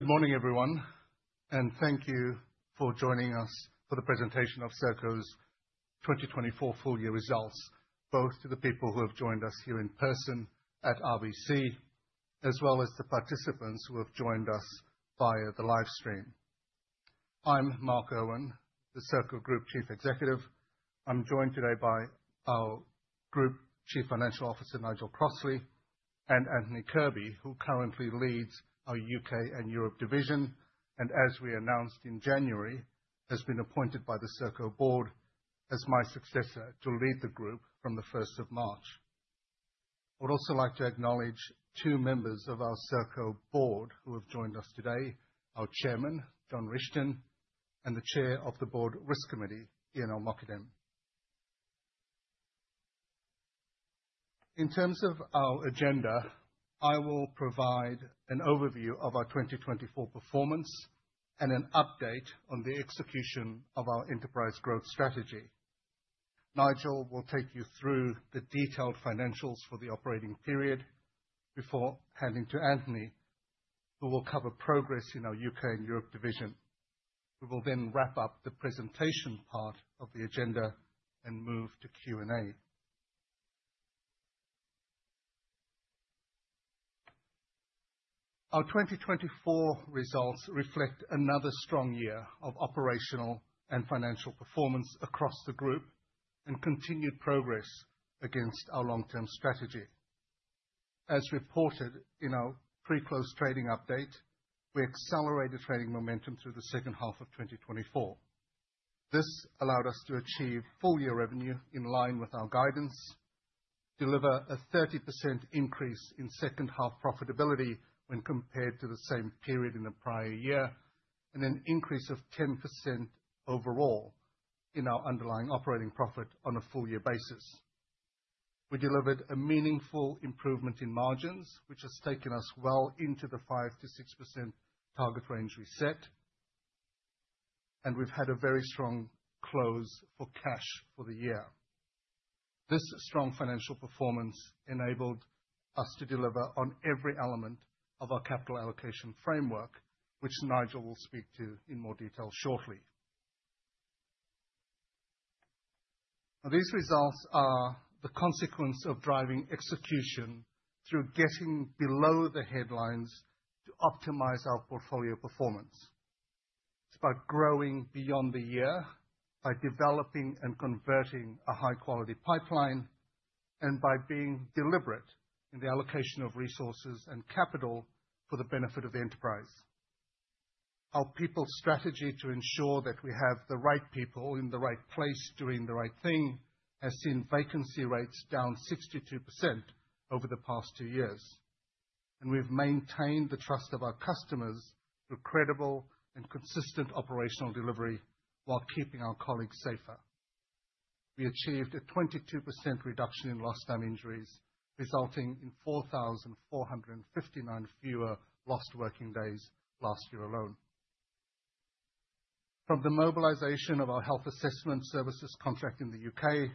Good morning, everyone, and thank you for joining us for the presentation of Serco's 2024 full-year results, both to the people who have joined us here in person at RBC, as well as the participants who have joined us via the live stream. I'm Mark Irwin, the Serco Group Chief Executive. I'm joined today by our Group Chief Financial Officer, Nigel Crossley, and Anthony Kirby, who currently leads our U.K. and Europe division, and, as we announced in January, has been appointed by the Serco Board as my successor to lead the Group from the 1st of March. I would also like to acknowledge two members of our Serco Board who have joined us today: our Chairman, John Rishton, and the Chair of the Board Risk Committee, Ian El-Mokadem. In terms of our agenda, I will provide an overview of our 2024 performance and an update on the execution of our Enterprise Growth Strategy. Nigel will take you through the detailed financials for the operating period before handing to Anthony, who will cover progress in our U.K. and Europe division. We will then wrap up the presentation part of the agenda and move to Q&A. Our 2024 results reflect another strong year of operational and financial performance across the Group and continued progress against our long-term strategy. As reported in our pre-close trading update, we accelerated trading momentum through the second half of 2024. This allowed us to achieve full-year revenue in line with our guidance, deliver a 30% increase in second-half profitability when compared to the same period in the prior year, and an increase of 10% overall in our underlying operating profit on a full-year basis. We delivered a meaningful improvement in margins, which has taken us well into the 5%-6% target range we set, and we've had a very strong close for cash for the year. This strong financial performance enabled us to deliver on every element of our capital allocation framework, which Nigel will speak to in more detail shortly. These results are the consequence of driving execution through getting below the headlines to optimize our portfolio performance. It's by growing beyond the year, by developing and converting a high-quality pipeline, and by being deliberate in the allocation of resources and capital for the benefit of the enterprise. Our people strategy to ensure that we have the right people in the right place doing the right thing has seen vacancy rates down 62% over the past two years, and we've maintained the trust of our customers through credible and consistent operational delivery while keeping our colleagues safer. We achieved a 22% reduction in lost time injuries, resulting in 4,459 fewer lost working days last year alone. From the mobilization of our health assessment services contract in the U.K.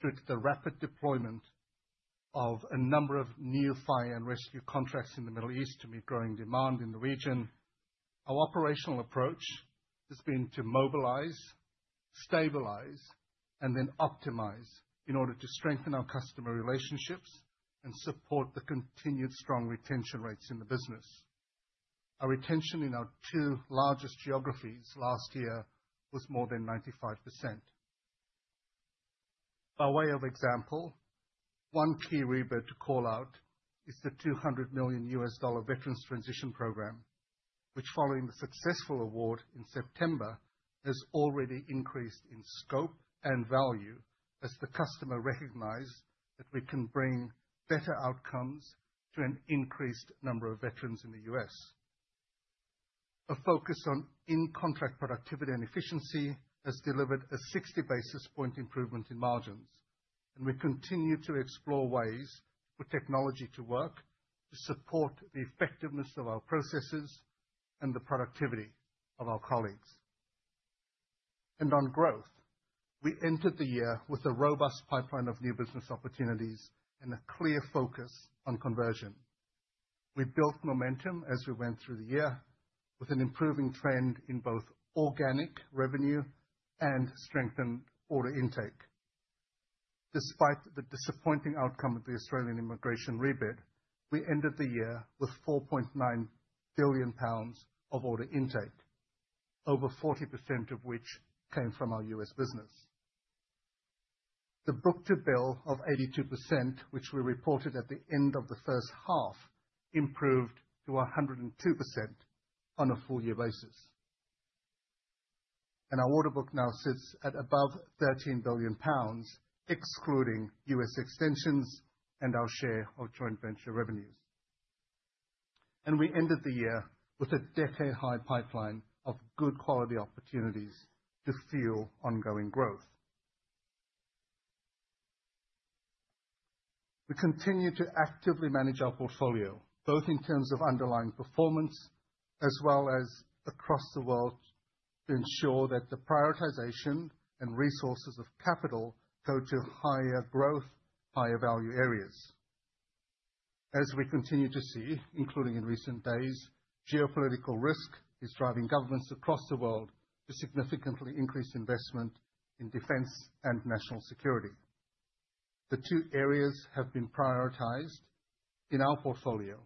through to the rapid deployment of a number of new fire and rescue contracts in the Middle East to meet growing demand in the region, our operational approach has been to mobilize, stabilize, and then optimize in order to strengthen our customer relationships and support the continued strong retention rates in the business. Our retention in our two largest geographies last year was more than 95%. By way of example, one key rebirth to call out is the $200 million Veterans Transition Program, which, following the successful award in September, has already increased in scope and value as the customer recognized that we can bring better outcomes to an increased number of veterans in the U.S. A focus on in-contract productivity and efficiency has delivered a 60 basis points improvement in margins, and we continue to explore ways for technology to work to support the effectiveness of our processes and the productivity of our colleagues. On growth, we entered the year with a robust pipeline of new business opportunities and a clear focus on conversion. We built momentum as we went through the year with an improving trend in both organic revenue and strengthened order intake. Despite the disappointing outcome of the Australian Immigration Rebid, we ended the year with 4.9 billion pounds of order intake, over 40% of which came from our U.S. business. The book-to-bill of 82%, which we reported at the end of the first half, improved to 102% on a full-year basis. And our order book now sits at above 13 billion pounds, excluding U.S. extensions and our share of joint venture revenues. And we ended the year with a decade-high pipeline of good quality opportunities to fuel ongoing growth. We continue to actively manage our portfolio, both in terms of underlying performance as well as across the world, to ensure that the prioritization and resources of capital go to higher growth, higher value areas. As we continue to see, including in recent days, geopolitical risk is driving governments across the world to significantly increase investment in defense and national security. The two areas have been prioritized in our portfolio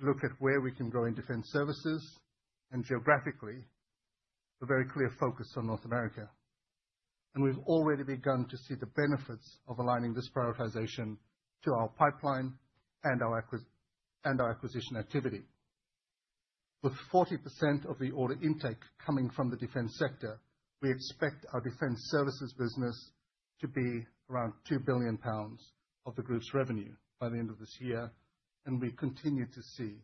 to look at where we can grow in defense services, and geographically, a very clear focus on North America, and we've already begun to see the benefits of aligning this prioritization to our pipeline and our acquisition activity. With 40% of the order intake coming from the defense sector, we expect our defense services business to be around 2 billion pounds of the Group's revenue by the end of this year, and we continue to see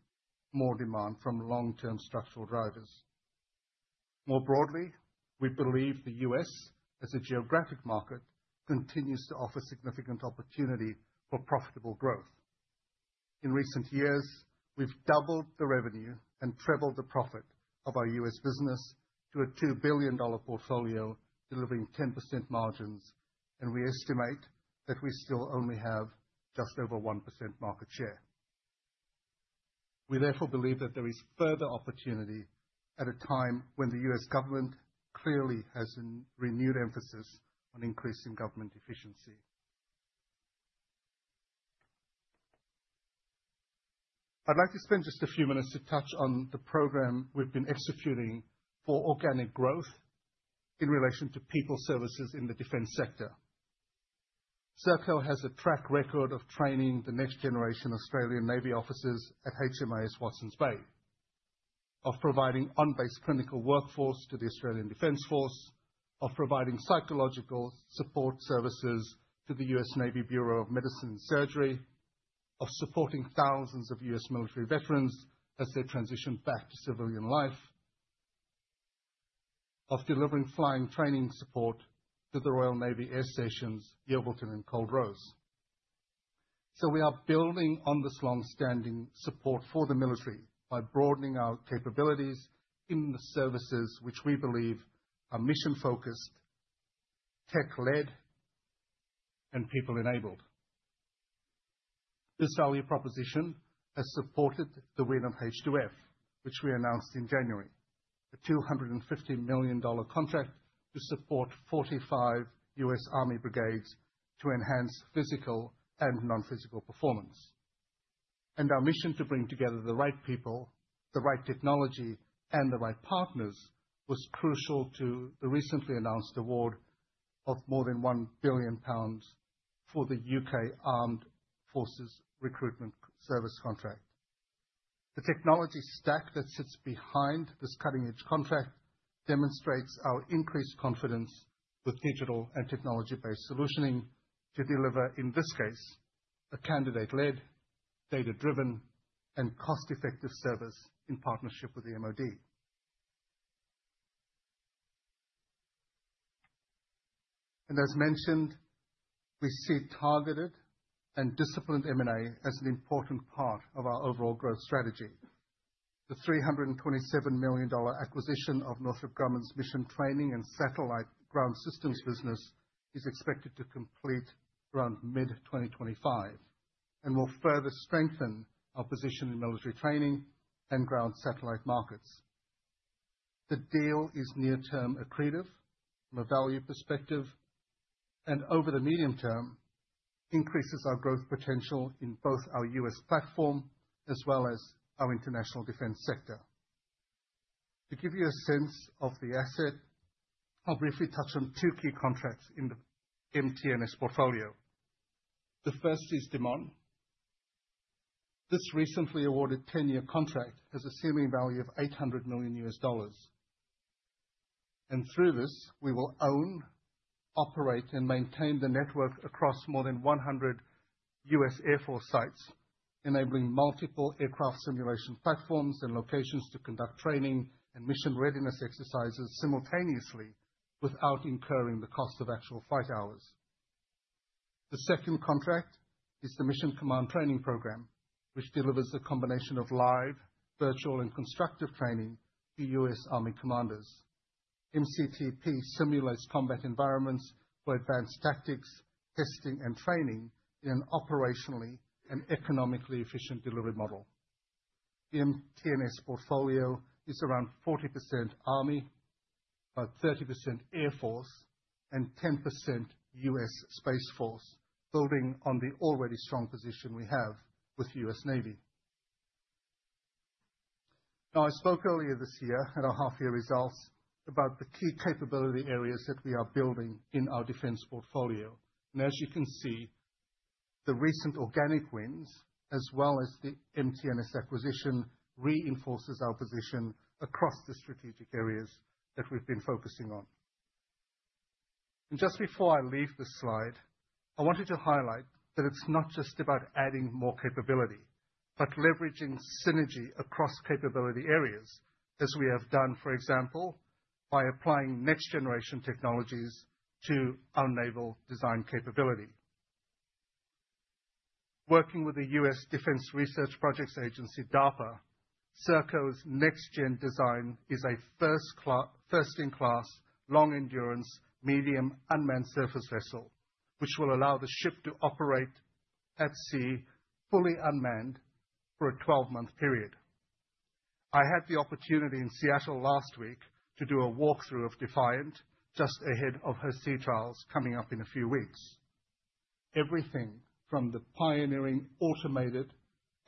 more demand from long-term structural drivers. More broadly, we believe the U.S., as a geographic market, continues to offer significant opportunity for profitable growth. In recent years, we've doubled the revenue and tripled the profit of our U.S. business to a $2 billion portfolio, delivering 10% margins, and we estimate that we still only have just over 1% market share. We therefore believe that there is further opportunity at a time when the U.S. government clearly has a renewed emphasis on increasing government efficiency. I'd like to spend just a few minutes to touch on the program we've been executing for organic growth in relation to people services in the defense sector. Serco has a track record of training the next generation Australian Navy officers at HMAS Watson, of providing on-base clinical workforce to the Australian Defence Force, of providing psychological support services to the U.S. Navy Bureau of Medicine and Surgery, of supporting thousands of U.S. military veterans as they transition back to civilian life, of delivering flying training support to the Royal Navy Air Stations, Yeovilton and Culdrose, so we are building on this long-standing support for the military by broadening our capabilities in the services which we believe are mission-focused, tech-led, and people-enabled. This value proposition has supported the win of H2F, which we announced in January, a $250 million contract to support 45 US Army brigades to enhance physical and non-physical performance. And our mission to bring together the right people, the right technology, and the right partners was crucial to the recently announced award of more than 1 billion pounds for the U.K. Armed Forces Recruitment Service contract. The technology stack that sits behind this cutting-edge contract demonstrates our increased confidence with digital and technology-based solutioning to deliver, in this case, a candidate-led, data-driven, and cost-effective service in partnership with the MOD. And as mentioned, we see targeted and disciplined M&A as an important part of our overall growth strategy. The $327 million acquisition of Northrop Grumman's Mission Training and Satellite Ground Systems business is expected to complete around mid-2025 and will further strengthen our position in military training and ground satellite markets. The deal is near-term accretive from a value perspective and, over the medium term, increases our growth potential in both our U.S. platform as well as our international defense sector. To give you a sense of the asset, I'll briefly touch on two key contracts in the MT&S portfolio. The first is DMON. This recently awarded 10-year contract has a ceiling value of $800 million, and through this, we will own, operate, and maintain the network across more than 100 U.S. Air Force sites, enabling multiple aircraft simulation platforms and locations to conduct training and mission readiness exercises simultaneously without incurring the cost of actual flight hours. The second contract is the Mission Command Training Program, which delivers a combination of live, virtual, and constructive training to U.S. Army commanders. MCTP simulates combat environments for advanced tactics, testing, and training in an operationally and economically efficient delivery model. The MT&S portfolio is around 40% Army, about 30% Air Force, and 10% U.S. Space Force, building on the already strong position we have with the U.S. Navy. Now, I spoke earlier this year at our half-year results about the key capability areas that we are building in our defense portfolio. And as you can see, the recent organic wins, as well as the MT&S acquisition, reinforces our position across the strategic areas that we've been focusing on. Just before I leave this slide, I wanted to highlight that it's not just about adding more capability, but leveraging synergy across capability areas, as we have done, for example, by applying next-generation technologies to our naval design capability. Working with the Defense Advanced Research Projects Agency, DARPA, Serco's next-gen design is a first-in-class, long-endurance, medium unmanned surface vessel, which will allow the ship to operate at sea fully unmanned for a 12-month period. I had the opportunity in Seattle last week to do a walkthrough of Defiant just ahead of her sea trials coming up in a few weeks. Everything from the pioneering automated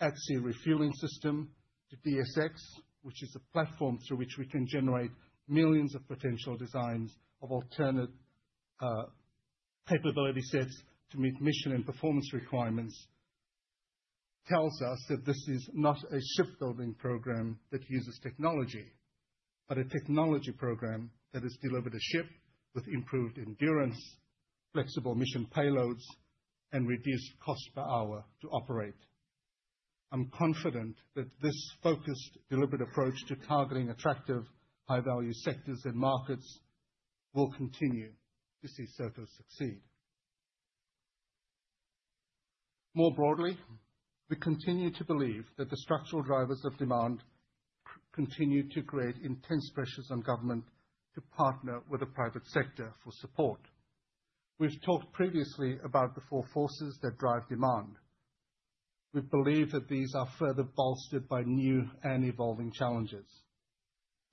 ATSI refueling system to DSX, which is a platform through which we can generate millions of potential designs of alternate capability sets to meet mission and performance requirements, tells us that this is not a shipbuilding program that uses technology, but a technology program that has delivered a ship with improved endurance, flexible mission payloads, and reduced cost per hour to operate. I'm confident that this focused, deliberate approach to targeting attractive, high-value sectors and markets will continue to see Serco succeed. More broadly, we continue to believe that the structural drivers of demand continue to create intense pressures on government to partner with the private sector for support. We've talked previously about the four forces that drive demand. We believe that these are further bolstered by new and evolving challenges.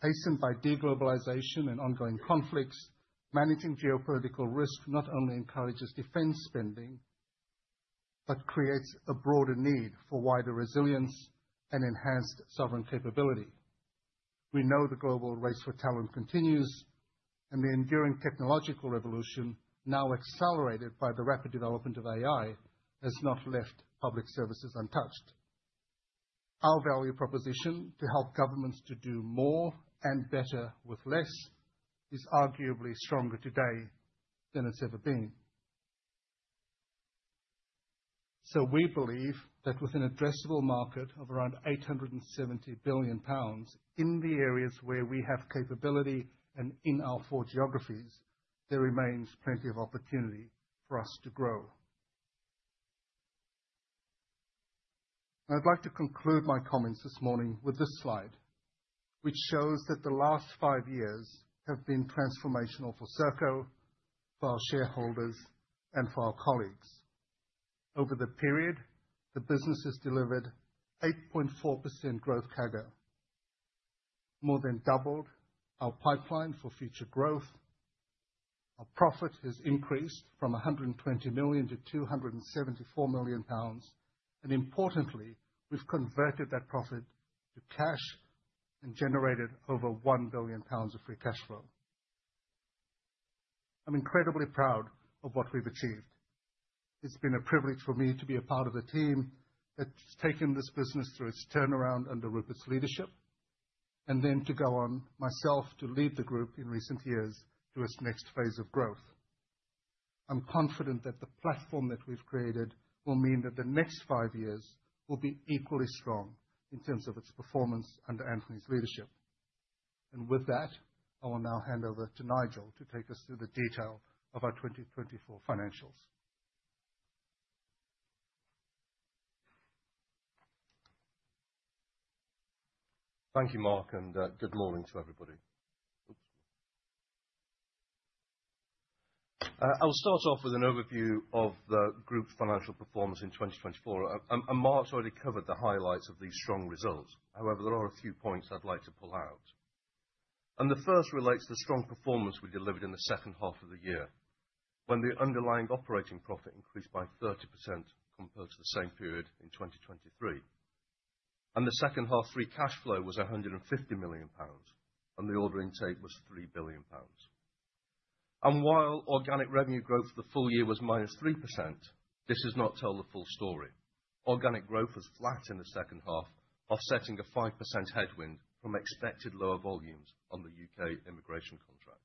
Hastened by deglobalization and ongoing conflicts, managing geopolitical risk not only encourages defense spending, but creates a broader need for wider resilience and enhanced sovereign capability. We know the global race for talent continues, and the enduring technological revolution, now accelerated by the rapid development of AI, has not left public services untouched. Our value proposition to help governments to do more and better with less is arguably stronger today than it's ever been. So we believe that with an addressable market of around 870 billion pounds in the areas where we have capability and in our four geographies, there remains plenty of opportunity for us to grow. I'd like to conclude my comments this morning with this slide, which shows that the last five years have been transformational for Serco, for our shareholders, and for our colleagues. Over the period, the business has delivered 8.4% growth CAGR. More than doubled our pipeline for future growth. Our profit has increased from 120 million to 274 million pounds. And importantly, we've converted that profit to cash and generated over 1 billion pounds of free cash flow. I'm incredibly proud of what we've achieved. It's been a privilege for me to be a part of the team that's taken this business through its turnaround under Rupert's leadership, and then to go on myself to lead the Group in recent years to its next phase of growth. I'm confident that the platform that we've created will mean that the next five years will be equally strong in terms of its performance under Anthony's leadership. And with that, I will now hand over to Nigel to take us through the detail of our 2024 financials. Thank you, Mark, and good morning to everybody. I'll start off with an overview of the Group's financial performance in 2024. And Mark's already covered the highlights of these strong results. However, there are a few points I'd like to pull out. And the first relates to the strong performance we delivered in the second half of the year, when the underlying operating profit increased by 30% compared to the same period in 2023. And the second half free cash flow was 150 million pounds, and the order intake was 3 billion pounds. And while organic revenue growth for the full year was minus 3%, this does not tell the full story. Organic growth was flat in the second half, offsetting a 5% headwind from expected lower volumes on the U.K. immigration contract.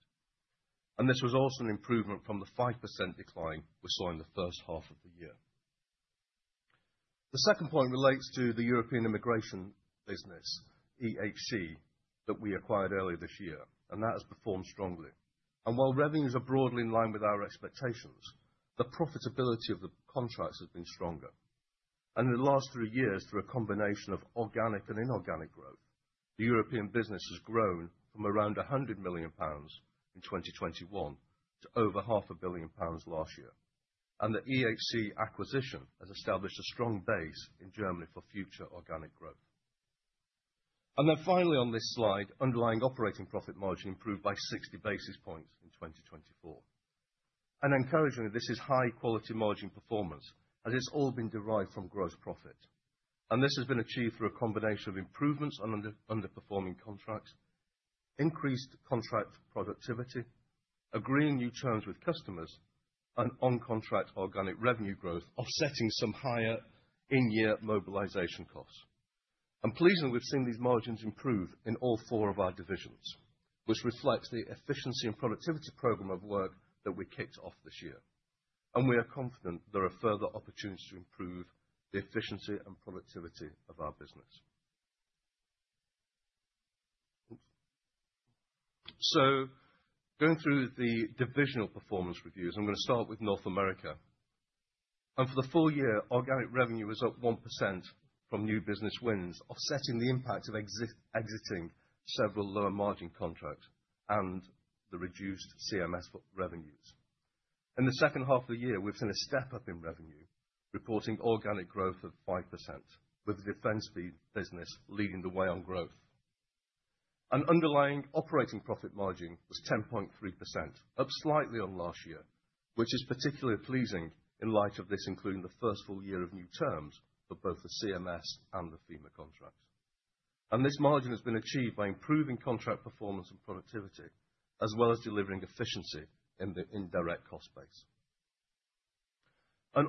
And this was also an improvement from the 5% decline we saw in the first half of the year. The second point relates to the European immigration business, EHC, that we acquired earlier this year, and that has performed strongly. And while revenues are broadly in line with our expectations, the profitability of the contracts has been stronger. And in the last three years, through a combination of organic and inorganic growth, the European business has grown from around 100 million pounds in 2021 to over 500 million pounds last year. And the EHC acquisition has established a strong base in Germany for future organic growth. And then finally, on this slide, underlying operating profit margin improved by 60 basis points in 2024. And encouragingly, this is high-quality margin performance, as it's all been derived from gross profit. And this has been achieved through a combination of improvements on underperforming contracts, increased contract productivity, agreeing new terms with customers, and on-contract organic revenue growth, offsetting some higher in-year mobilization costs. And pleasingly, we've seen these margins improve in all four of our divisions, which reflects the efficiency and productivity program of work that we kicked off this year. And we are confident there are further opportunities to improve the efficiency and productivity of our business. So going through the divisional performance reviews, I'm going to start with North America. And for the full year, organic revenue was up 1% from new business wins, offsetting the impact of exiting several lower margin contracts and the reduced CMS revenues. In the second half of the year, we've seen a step up in revenue, reporting organic growth of 5%, with the defense business leading the way on growth. Underlying operating profit margin was 10.3%, up slightly on last year, which is particularly pleasing in light of this including the first full year of new terms for both the CMS and the FEMA contracts. This margin has been achieved by improving contract performance and productivity, as well as delivering efficiency in the indirect cost base.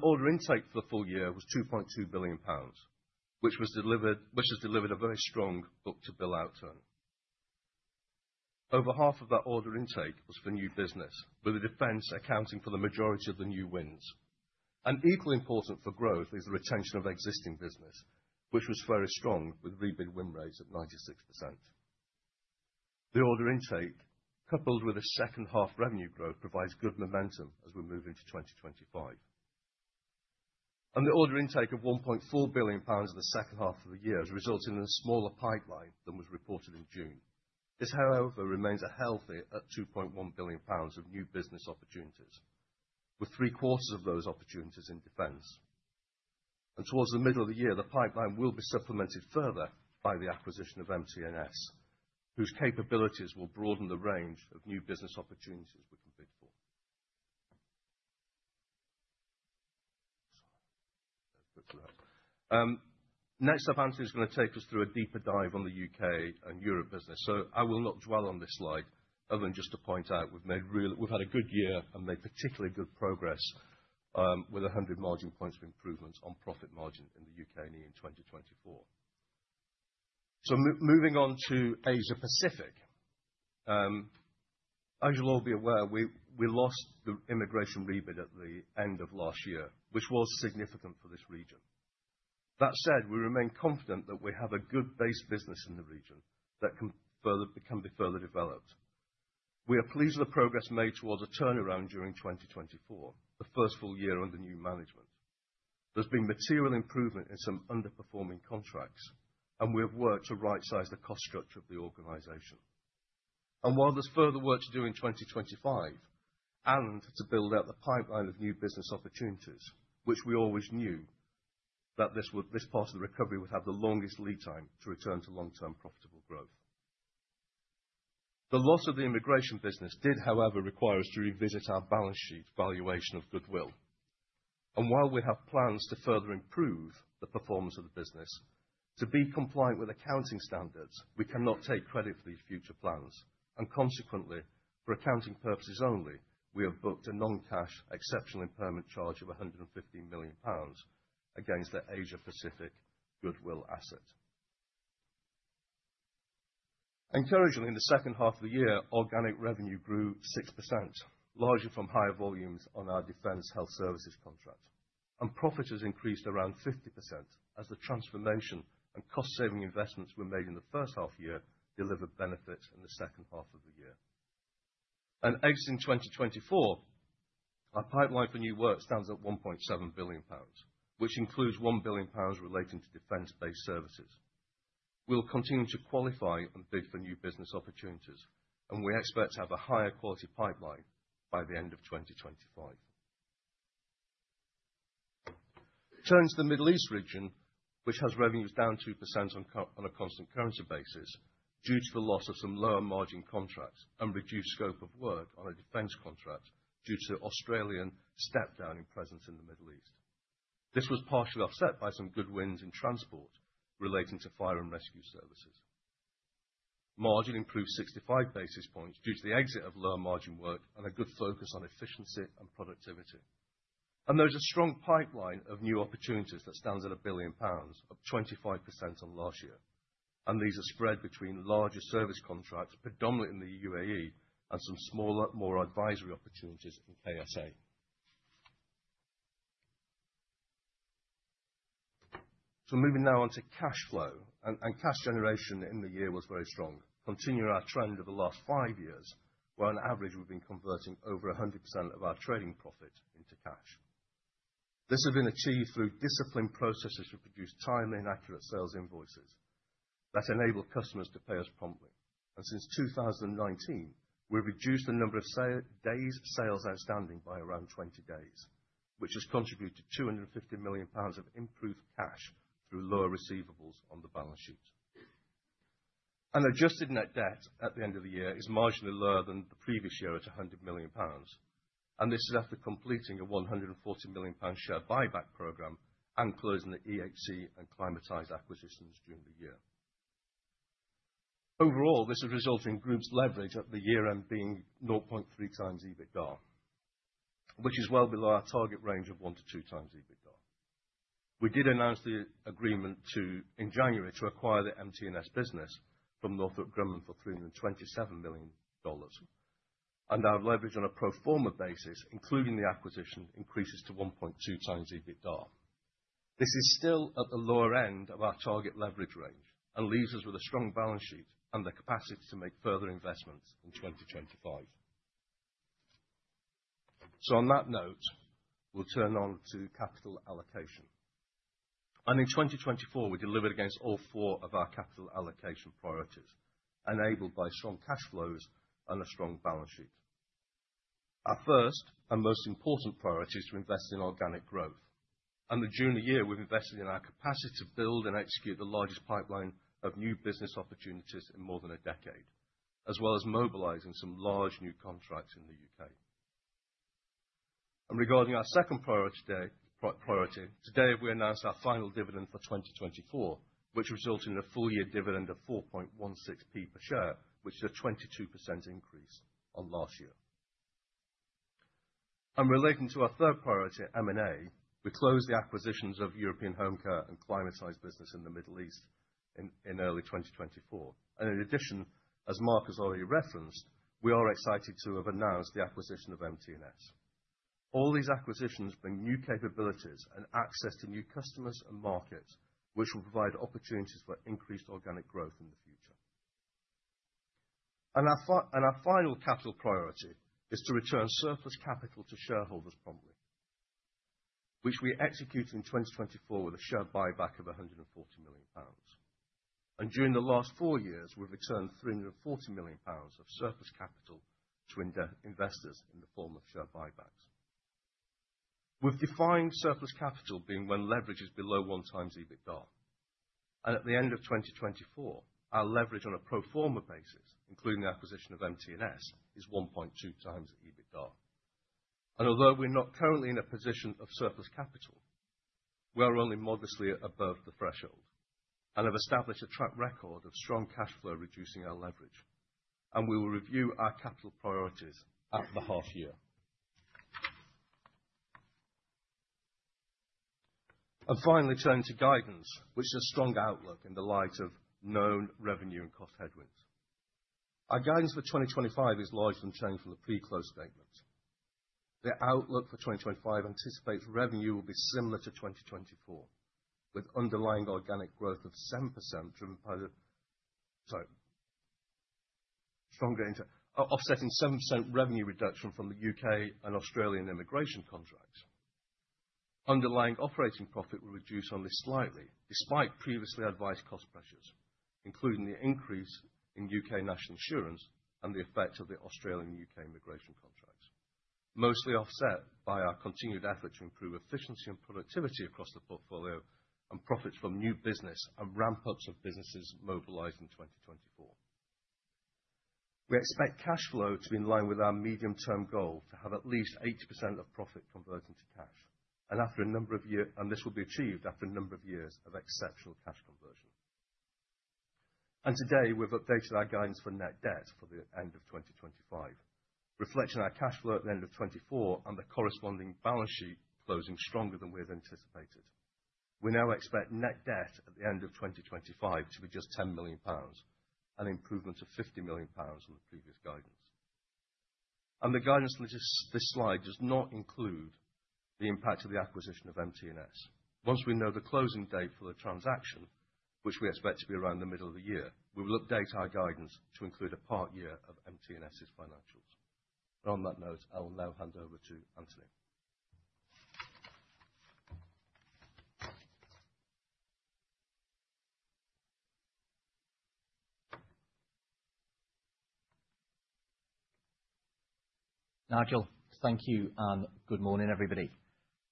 Order intake for the full year was 2.2 billion pounds, which has delivered a very strong book-to-bill outturn. Over half of that order intake was for new business, with the defense accounting for the majority of the new wins. Equally important for growth is the retention of existing business, which was very strong with rebid win rates at 96%. The order intake, coupled with the second half revenue growth, provides good momentum as we move into 2025. The order intake of 1.4 billion pounds in the second half of the year has resulted in a smaller pipeline than was reported in June. This, however, remains a healthy 2.1 billion pounds of new business opportunities, with three-quarters of those opportunities in defense. Towards the middle of the year, the pipeline will be supplemented further by the acquisition of MT&S, whose capabilities will broaden the range of new business opportunities we can bid for. Next up, Anthony is going to take us through a deeper dive on the U.K. and Europe business. I will not dwell on this slide other than just to point out we've had a good year and made particularly good progress with 100 basis points of improvement on profit margin in the U.K. and EU in 2024. Moving on to Asia-Pacific. As you'll all be aware, we lost the immigration rebid at the end of last year, which was significant for this region. That said, we remain confident that we have a good base business in the region that can be further developed. We are pleased with the progress made towards a turnaround during 2024, the first full year under new management. There's been material improvement in some underperforming contracts, and we have worked to right-size the cost structure of the organization, and while there's further work to do in 2025 and to build out the pipeline of new business opportunities, which we always knew that this part of the recovery would have the longest lead time to return to long-term profitable growth. The loss of the immigration business did, however, require us to revisit our balance sheet valuation of goodwill. While we have plans to further improve the performance of the business, to be compliant with accounting standards, we cannot take credit for these future plans. Consequently, for accounting purposes only, we have booked a non-cash exceptional impairment charge of 115 million pounds against the Asia-Pacific goodwill asset. Encouragingly, in the second half of the year, organic revenue grew 6%, largely from higher volumes on our defense health services contract. Profit has increased around 50% as the transformation and cost-saving investments we made in the first half year delivered benefits in the second half of the year. Exiting 2024, our pipeline for new work stands at 1.7 billion pounds, which includes 1 billion pounds relating to defense-based services. We'll continue to qualify and bid for new business opportunities, and we expect to have a higher quality pipeline by the end of 2025. Turn to the Middle East region, which has revenues down 2% on a constant currency basis due to the loss of some lower margin contracts and reduced scope of work on a defense contract due to Australian step-down in presence in the Middle East. This was partially offset by some good wins in transport relating to fire and rescue services. Margin improved 65 basis points due to the exit of lower margin work and a good focus on efficiency and productivity. And there's a strong pipeline of new opportunities that stands at 1 billion pounds, up 25% on last year. And these are spread between larger service contracts, predominantly in the UAE, and some smaller, more advisory opportunities in KSA. Moving now on to cash flow, and cash generation in the year was very strong, continuing our trend of the last five years, where on average we've been converting over 100% of our trading profit into cash. This has been achieved through disciplined processes to produce timely and accurate sales invoices that enable customers to pay us promptly. Since 2019, we've reduced the number of days sales outstanding by around 20 days, which has contributed to 250 million pounds of improved cash through lower receivables on the balance sheet. Adjusted net debt at the end of the year is marginally lower than the previous year at 100 million pounds. This is after completing a 140 million pound share buyback program and closing the EHC and Climatize acquisitions during the year. Overall, this has resulted in the Group's leverage at the year-end being 0.3x EBITDA, which is well below our target range of 1-2x EBITDA. We did announce the agreement in January to acquire the MT&S business from Northrop Grumman for $327 million, and our leverage on a pro forma basis, including the acquisition, increases to 1.2x EBITDA. This is still at the lower end of our target leverage range and leaves us with a strong balance sheet and the capacity to make further investments in 2025, so on that note, we'll turn on to capital allocation, and in 2024, we delivered against all four of our capital allocation priorities, enabled by strong cash flows and a strong balance sheet. Our first and most important priority is to invest in organic growth. During the year, we've invested in our capacity to build and execute the largest pipeline of new business opportunities in more than a decade, as well as mobilizing some large new contracts in the U.K.. Regarding our second priority, today we announced our final dividend for 2024, which resulted in a full-year dividend of 0.0416 per share, which is a 22% increase on last year. Relating to our third priority, M&A, we closed the acquisitions of European Homecare and Climatize business in the Middle East in early 2024. In addition, as Mark has already referenced, we are excited to have announced the acquisition of MT&S. All these acquisitions bring new capabilities and access to new customers and markets, which will provide opportunities for increased organic growth in the future. Our final capital priority is to return surplus capital to shareholders promptly, which we executed in 2024 with a share buyback of 140 million pounds. During the last four years, we've returned 340 million pounds of surplus capital to investors in the form of share buybacks. We've defined surplus capital being when leverage is below one times EBITDA. At the end of 2024, our leverage on a pro forma basis, including the acquisition of MT&S, is 1.2x EBITDA. Although we're not currently in a position of surplus capital, we are only modestly above the threshold and have established a track record of strong cash flow reducing our leverage. We will review our capital priorities at the half year. Finally, turning to guidance, which is a strong outlook in the light of known revenue and cost headwinds. Our guidance for 2025 is largely unchanged from the pre-close statement. The outlook for 2025 anticipates revenue will be similar to 2024, with underlying organic growth of 7% driven by the stronger offsetting 7% revenue reduction from the U.K. and Australian immigration contracts. Underlying operating profit will reduce only slightly, despite previously advised cost pressures, including the increase in U.K. National Insurance and the effect of the Australian and U.K. immigration contracts, mostly offset by our continued effort to improve efficiency and productivity across the portfolio and profits from new business and ramp-ups of businesses mobilized in 2024. We expect cash flow to be in line with our medium-term goal to have at least 80% of profit converted to cash, and this will be achieved after a number of years of exceptional cash conversion. Today, we've updated our guidance for net debt for the end of 2025, reflecting our cash flow at the end of 2024 and the corresponding balance sheet closing stronger than we had anticipated. We now expect net debt at the end of 2025 to be just £10 million and an improvement of £50 million on the previous guidance. The guidance for this slide does not include the impact of the acquisition of MT&S. Once we know the closing date for the transaction, which we expect to be around the middle of the year, we will update our guidance to include a part year of MT&S's financials. -On that note, I'll now hand over to Anthony. Nigel, thank you and good morning, everybody.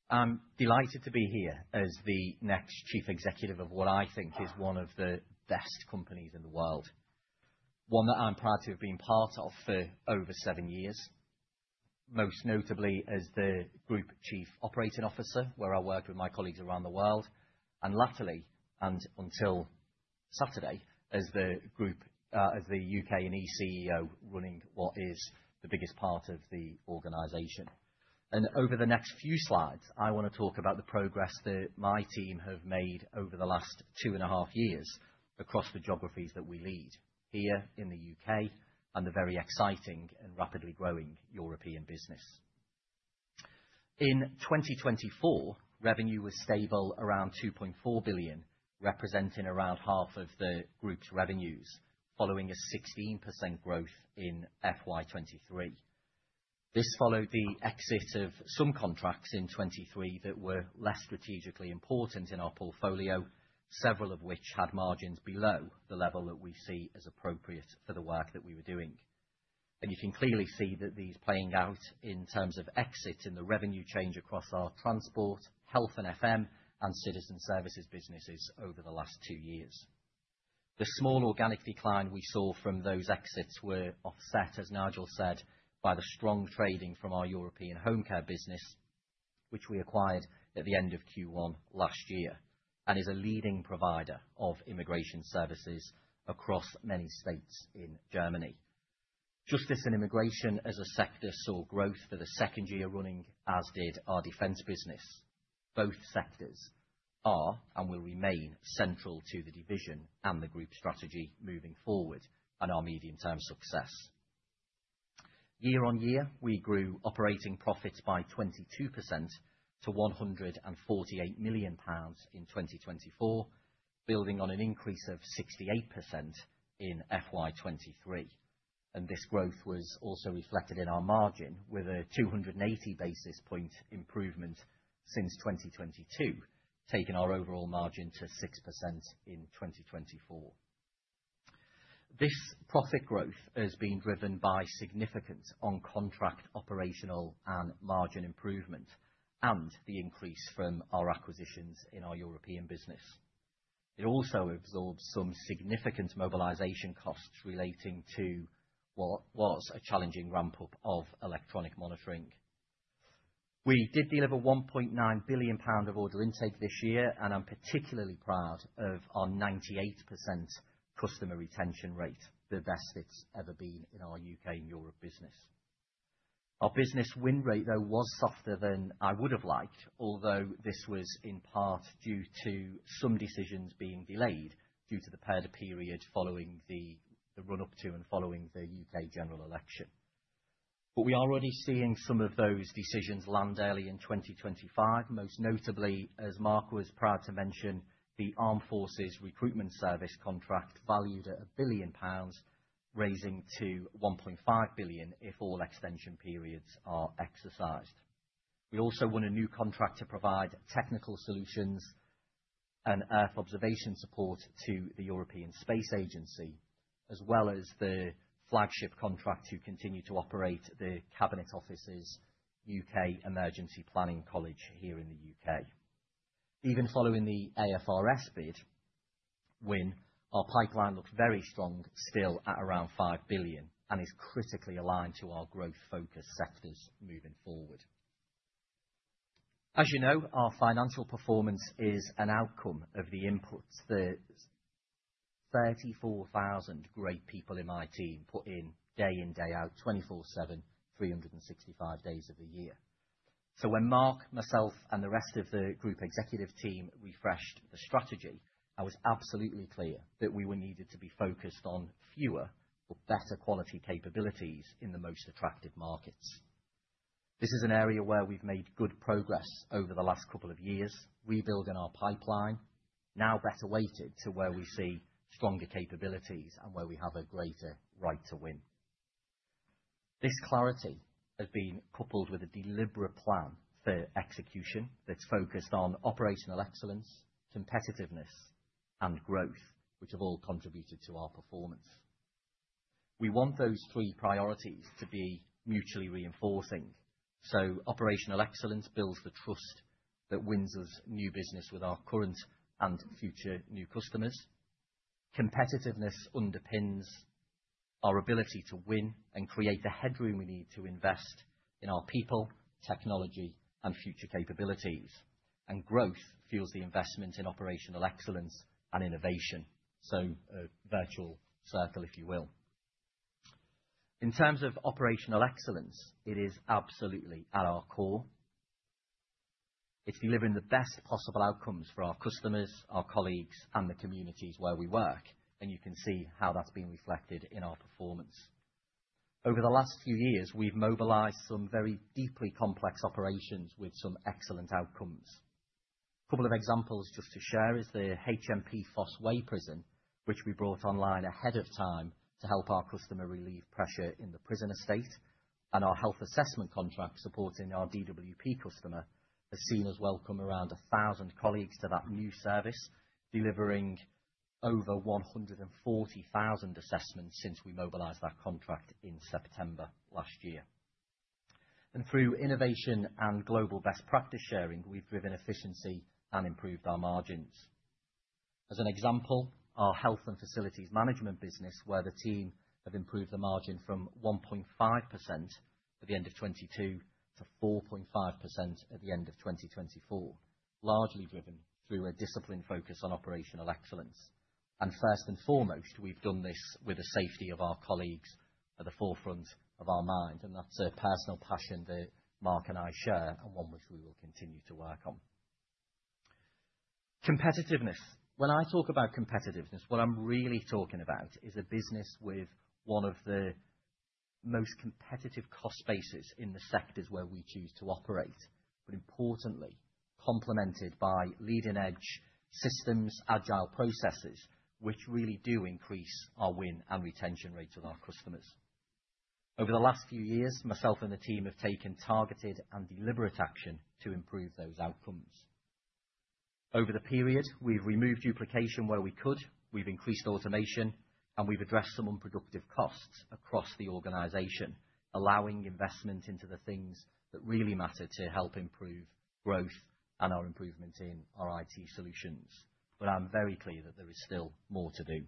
I'm delighted to be here as the next Chief Executive of what I think is one of the best companies in the world, one that I'm proud to have been part of for over seven years, most notably as the Group Chief Operating Officer, where I worked with my colleagues around the world, and latterly, and until Saturday, as the U.K. and Europe CEO running what is the biggest part of the organization. Over the next few slides, I want to talk about the progress that my team have made over the last two and a half years across the geographies that we lead here in the U.K. and the very exciting and rapidly growing European business. In 2024, revenue was stable around 2.4 billion, representing around half of the Group's revenues, following a 16% growth in FY 2023. This followed the exit of some contracts in 2023 that were less strategically important in our portfolio, several of which had margins below the level that we see as appropriate for the work that we were doing, and you can clearly see that these playing out in terms of exits in the revenue change across our transport, health and FM, and citizen services businesses over the last two years. The small organic decline we saw from those exits was offset, as Nigel said, by the strong trading from our European Homecare business, which we acquired at the end of Q1 last year and is a leading provider of immigration services across many states in Germany. Justice and immigration as a sector saw growth for the second year running, as did our defense business. Both sectors are and will remain central to the division and the Group strategy moving forward and our medium-term success. Year on year, we grew operating profits by 22% to 148 million pounds in 2024, building on an increase of 68% in FY 2023. And this growth was also reflected in our margin, with a 280 basis point improvement since 2022, taking our overall margin to 6% in 2024. This profit growth has been driven by significant on-contract operational and margin improvement and the increase from our acquisitions in our European business. It also absorbed some significant mobilization costs relating to what was a challenging ramp-up of electronic monitoring. We did deliver 1.9 billion pound of order intake this year, and I'm particularly proud of our 98% customer retention rate, the best it's ever been in our U.K. and Europe business. Our business win rate, though, was softer than I would have liked, although this was in part due to some decisions being delayed due to the period following the run-up to and following the U.K. general election, but we are already seeing some of those decisions land early in 2025, most notably, as Mark was proud to mention, the Armed Forces Recruitment Service contract valued at 1 billion pounds, raising to 1.5 billion if all extension periods are exercised. We also won a new contract to provide technical solutions and Earth observation support to the European Space Agency, as well as the flagship contract to continue to operate the Cabinet Office's U.K. Emergency Planning College here in the U.K. Even following the AFRS bid, when our pipeline looked very strong, still at around 5 billion, and is critically aligned to our growth-focused sectors moving forward. As you know, our financial performance is an outcome of the inputs that 34,000 great people in my team put in day in, day out, 24/7, 365 days of the year. So when Mark, myself, and the rest of the Group executive team refreshed the strategy, I was absolutely clear that we were needed to be focused on fewer but better quality capabilities in the most attractive markets. This is an area where we've made good progress over the last couple of years, rebuilding our pipeline, now better weighted to where we see stronger capabilities and where we have a greater right to win. This clarity has been coupled with a deliberate plan for execution that's focused on operational excellence, competitiveness, and growth, which have all contributed to our performance. We want those three priorities to be mutually reinforcing. So operational excellence builds the trust that wins us new business with our current and future new customers. Competitiveness underpins our ability to win and create the headroom we need to invest in our people, technology, and future capabilities. And growth fuels the investment in operational excellence and innovation. So a virtuous circle, if you will. In terms of operational excellence, it is absolutely at our core. It's delivering the best possible outcomes for our customers, our colleagues, and the communities where we work. And you can see how that's been reflected in our performance. Over the last few years, we've mobilized some very deeply complex operations with some excellent outcomes. A couple of examples just to share is the HMP Fosse Way prison, which we brought online ahead of time to help our customer relieve pressure in the prison estate, and our health assessment contract supporting our DWP customer has seen us welcome around 1,000 colleagues to that new service, delivering over 140,000 assessments since we mobilized that contract in September last year. Through innovation and global best practice sharing, we've driven efficiency and improved our margins. As an example, our health and facilities management business, where the team have improved the margin from 1.5% at the end of 2022 to 4.5% at the end of 2024, largely driven through a disciplined focus on operational excellence. First and foremost, we've done this with the safety of our colleagues at the forefront of our mind. That's a personal passion that Mark and I share and one which we will continue to work on. Competitiveness. When I talk about competitiveness, what I'm really talking about is a business with one of the most competitive cost bases in the sectors where we choose to operate, but importantly, complemented by leading-edge systems, agile processes, which really do increase our win and retention rates with our customers. Over the last few years, myself and the team have taken targeted and deliberate action to improve those outcomes. Over the period, we've removed duplication where we could, we've increased automation, and we've addressed some unproductive costs across the organization, allowing investment into the things that really matter to help improve growth and our improvement in our IT solutions. I'm very clear that there is still more to do.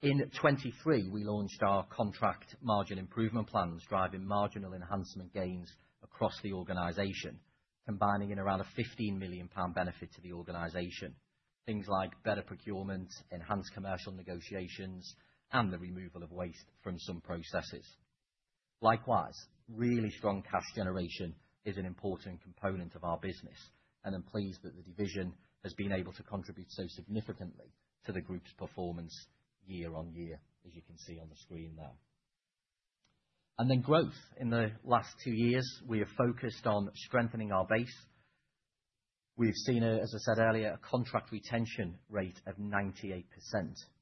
In 2023, we launched our contract margin improvement plans, driving marginal enhancement gains across the organization, combining in around a 15 million pound benefit to the organization, things like better procurement, enhanced commercial negotiations, and the removal of waste from some processes. Likewise, really strong cash generation is an important component of our business. And I'm pleased that the division has been able to contribute so significantly to the Group's performance year on year, as you can see on the screen there. And then growth in the last two years, we have focused on strengthening our base. We have seen, as I said earlier, a contract retention rate of 98%,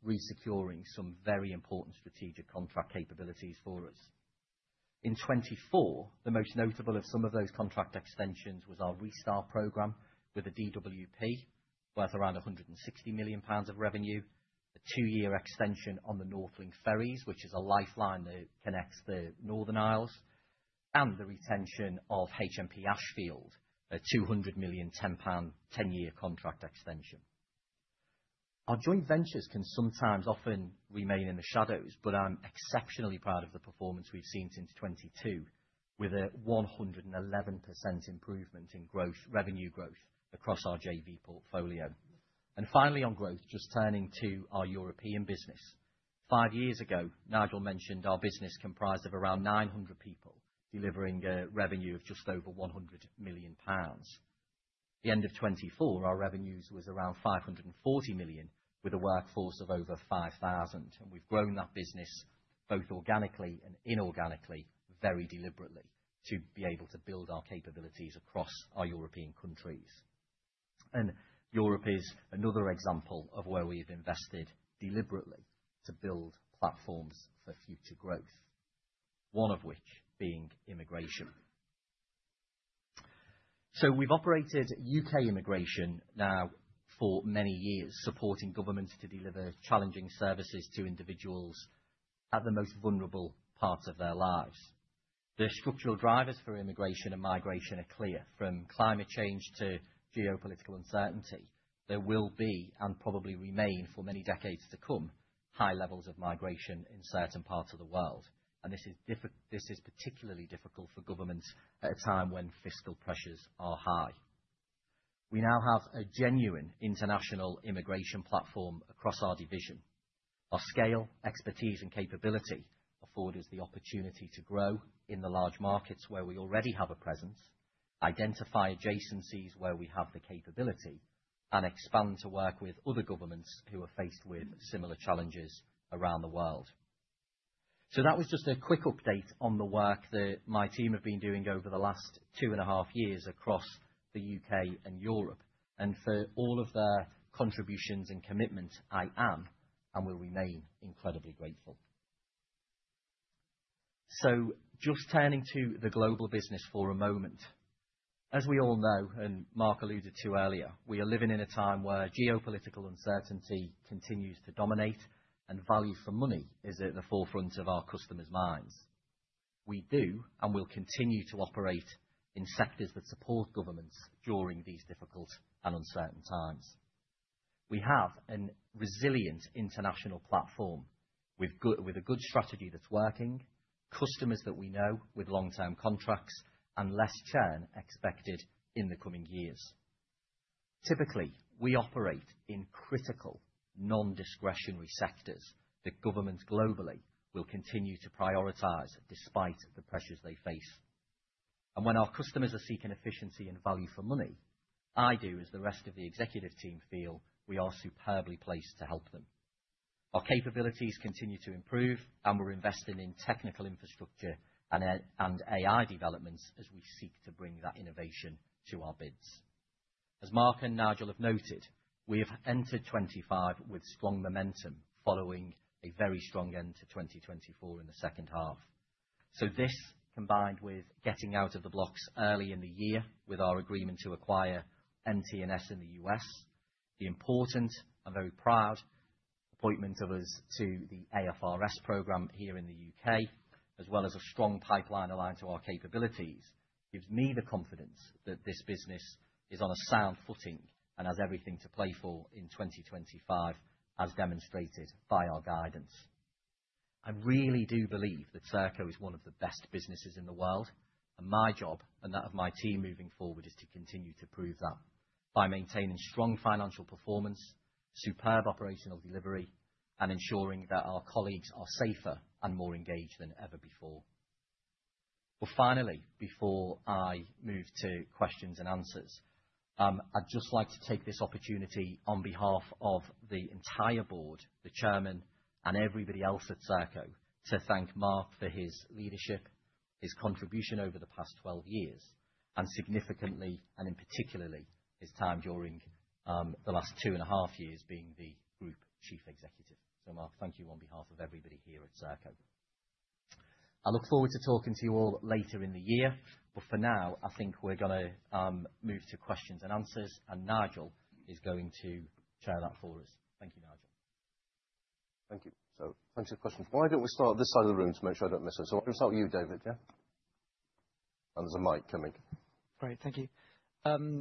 resecuring some very important strategic contract capabilities for us. In 2024, the most notable of some of those contract extensions was our Restart program with the DWP, where it's around 160 million pounds of revenue, a two-year extension on the NorthLink Ferries, which is a lifeline that connects the Northern Isles, and the retention of HMP Ashfield, a 200 million 10-year contract extension. Our joint ventures can sometimes often remain in the shadows, but I'm exceptionally proud of the performance we've seen since 2022, with a 111% improvement in revenue growth across our JV portfolio, and finally, on growth, just turning to our European business. Five years ago, Nigel mentioned our business comprised of around 900 people, delivering a revenue of just over 100 million pounds. At the end of 2024, our revenues was around 540 million, with a workforce of over 5,000. We've grown that business both organically and inorganically, very deliberately, to be able to build our capabilities across our European countries. Europe is another example of where we have invested deliberately to build platforms for future growth, one of which being immigration. We've operated U.K. immigration now for many years, supporting governments to deliver challenging services to individuals at the most vulnerable parts of their lives. The structural drivers for immigration and migration are clear. From climate change to geopolitical uncertainty, there will be and probably remain for many decades to come high levels of migration in certain parts of the world. This is particularly difficult for governments at a time when fiscal pressures are high. We now have a genuine international immigration platform across our division. Our scale, expertise, and capability afford us the opportunity to grow in the large markets where we already have a presence, identify adjacencies where we have the capability, and expand to work with other governments who are faced with similar challenges around the world. So that was just a quick update on the work that my team have been doing over the last two and a half years across the U.K. and Europe. And for all of their contributions and commitment, I am and will remain incredibly grateful. So just turning to the Global Business for a moment. As we all know, and Mark alluded to earlier, we are living in a time where geopolitical uncertainty continues to dominate and value for money is at the forefront of our customers' minds. We do and will continue to operate in sectors that support governments during these difficult and uncertain times. We have a resilient international platform with a good strategy that's working, customers that we know with long-term contracts, and less churn expected in the coming years. Typically, we operate in critical, non-discretionary sectors that governments globally will continue to prioritize despite the pressures they face. And when our customers are seeking efficiency and value for money, I do, as the rest of the executive team feel, we are superbly placed to help them. Our capabilities continue to improve, and we're investing in technical infrastructure and AI developments as we seek to bring that innovation to our bids. As Mark and Nigel have noted, we have entered 2025 with strong momentum following a very strong end to 2024 in the second half. So this, combined with getting out of the blocks early in the year with our agreement to acquire MT&S in the U.S., the important and very proud appointment of us to the AFRS program here in the U.K., as well as a strong pipeline aligned to our capabilities, gives me the confidence that this business is on a sound footing and has everything to play for in 2025, as demonstrated by our guidance. I really do believe that Serco is one of the best businesses in the world, and my job and that of my team moving forward is to continue to prove that by maintaining strong financial performance, superb operational delivery, and ensuring that our colleagues are safer and more engaged than ever before. Well, finally, before I move to questions and answers, I'd just like to take this opportunity on behalf of the entire board, the chairman, and everybody else at Serco to thank Mark for his leadership, his contribution over the past 12 years, and significantly, and particularly his time during the last two and a half years being the Group Chief Executive. So Mark, thank you on behalf of everybody here at Serco. I look forward to talking to you all later in the year. But for now, I think we're going to move to questions and answers, and Nigel is going to chair that for us. Thank you, Nigel. Thank you. So thanks for your questions. Why don't we start at this side of the room to make sure I don't miss it? So I'm going to start with you, David. Yeah? And there's a mic coming. Great. Thank you.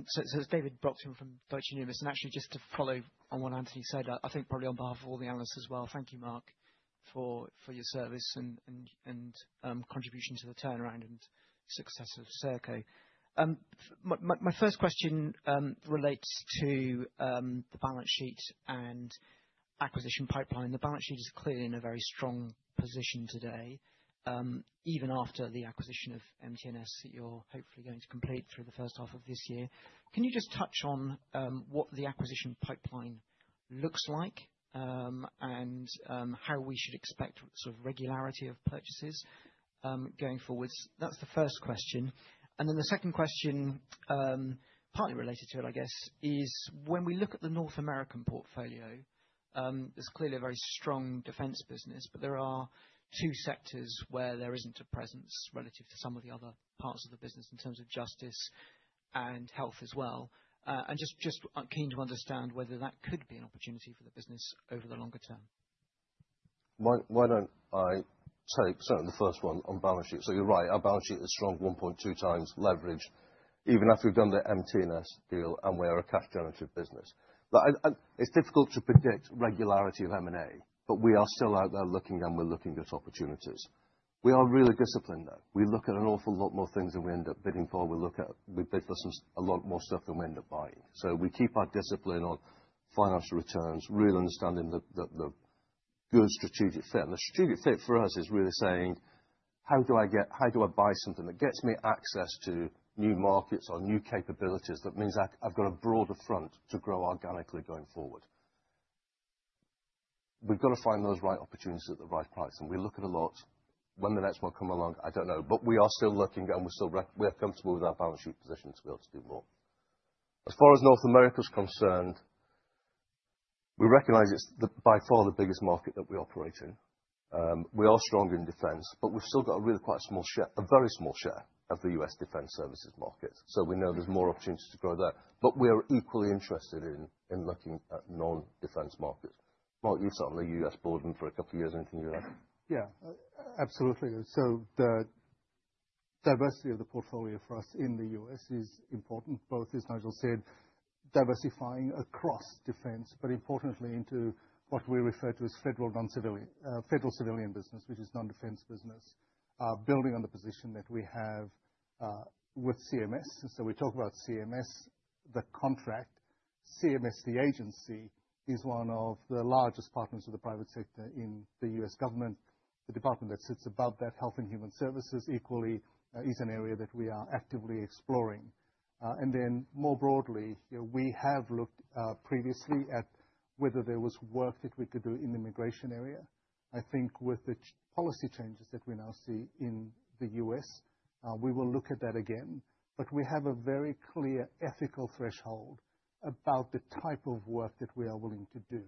So it's David Brockton from Deutsche Numis. And actually, just to follow on what Anthony said, I think probably on behalf of all the analysts as well, thank you, Mark, for your service and contribution to the turnaround and success of Serco. My first question relates to the balance sheet and acquisition pipeline. The balance sheet is clearly in a very strong position today, even after the acquisition of MT&S that you're hopefully going to complete through the first half of this year. Can you just touch on what the acquisition pipeline looks like and how we should expect sort of regularity of purchases going forwards? That's the first question. And then the second question, partly related to it, I guess, is when we look at the North American portfolio, there's clearly a very strong defense business, but there are two sectors where there isn't a presence relative to some of the other parts of the business in terms of justice and health as well, and just keen to understand whether that could be an opportunity for the business over the longer term. Why don't I take certainly the first one on balance sheet? So you're right. Our balance sheet is strong, 1.2x leverage, even after we've done the MT&S deal, and we are a cash-generative business. It's difficult to predict regularity of M&A, but we are still out there looking, and we're looking at opportunities. We are really disciplined, though. We look at an awful lot more things than we end up bidding for. We bid for a lot more stuff than we end up buying. So we keep our discipline on financial returns, really understanding the good strategic fit. And the strategic fit for us is really saying, how do I buy something that gets me access to new markets or new capabilities that means I've got a broader front to grow organically going forward? We've got to find those right opportunities at the right price. And we look at a lot. When the next one will come along, I don't know. But we are still looking, and we're comfortable with our balance sheet position to be able to do more. As far as North America is concerned, we recognize it's by far the biggest market that we operate in. We are strong in defense, but we've still got a really quite small share, a very small share of the U.S. defense services market. So we know there's more opportunities to grow there. But we are equally interested in looking at non-defense markets. Mark, you've sat on the U.S. board for a couple of years. Anything you'd like? Yeah, absolutely. So the diversity of the portfolio for us in the U.S. is important, both, as Nigel said, diversifying across defense, but importantly into what we refer to as federal civilian business, which is non-defense business, building on the position that we have with CMS. So we talk about CMS, the contract. CMS, the agency, is one of the largest partners of the private sector in the U.S. government. The department that sits above that, Health and Human Services, equally is an area that we are actively exploring. And then more broadly, we have looked previously at whether there was work that we could do in the immigration area. I think with the policy changes that we now see in the U.S., we will look at that again. But we have a very clear ethical threshold about the type of work that we are willing to do.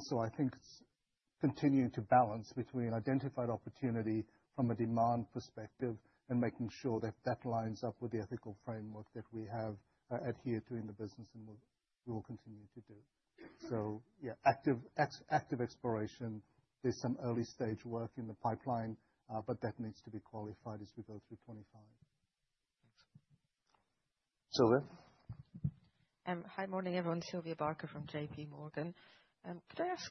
So I think it's continuing to balance between identified opportunity from a demand perspective and making sure that that lines up with the ethical framework that we have adhered to in the business and we will continue to do. So yeah, active exploration. There's some early stage work in the pipeline, but that needs to be qualified as we go through 2025. Sylvia? Hi, morning, everyone. Sylvia Barker from JPMorgan. Could I ask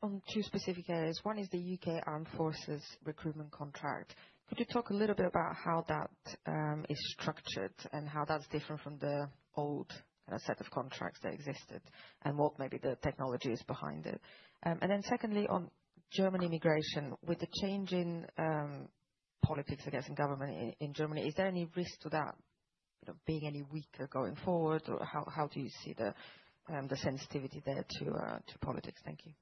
on two specific areas? One is the U.K. Armed Forces recruitment contract. Could you talk a little bit about how that is structured and how that's different from the old kind of set of contracts that existed and what maybe the technology is behind it? And then secondly, on German immigration, with the change in politics, I guess, in government in Germany, is there any risk to that being any weaker going forward? Or how do you see the sensitivity there to politics? Thank you.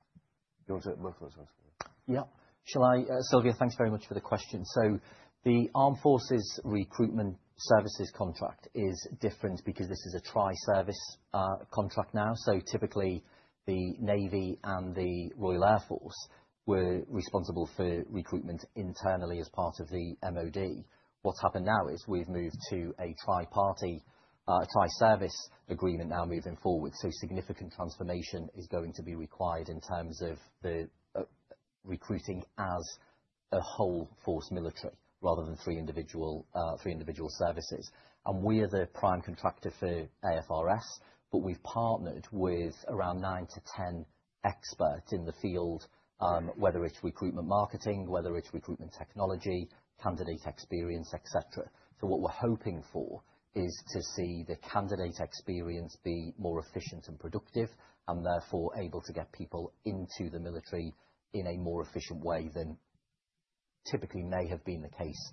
Sylvia, thanks very much for the question. So the Armed Forces Recruitment Service contract is different because this is a tri-service contract now. So typically, the Navy and the Royal Air Force were responsible for recruitment internally as part of the MoD. What's happened now is we've moved to a tri-party, tri-service agreement now moving forward. So significant transformation is going to be required in terms of the recruiting as a whole force military rather than three individual services. And we are the prime contractor for AFRS, but we've partnered with around nine to 10 experts in the field, whether it's recruitment marketing, whether it's recruitment technology, candidate experience, etc. So what we're hoping for is to see the candidate experience be more efficient and productive and therefore able to get people into the military in a more efficient way than typically may have been the case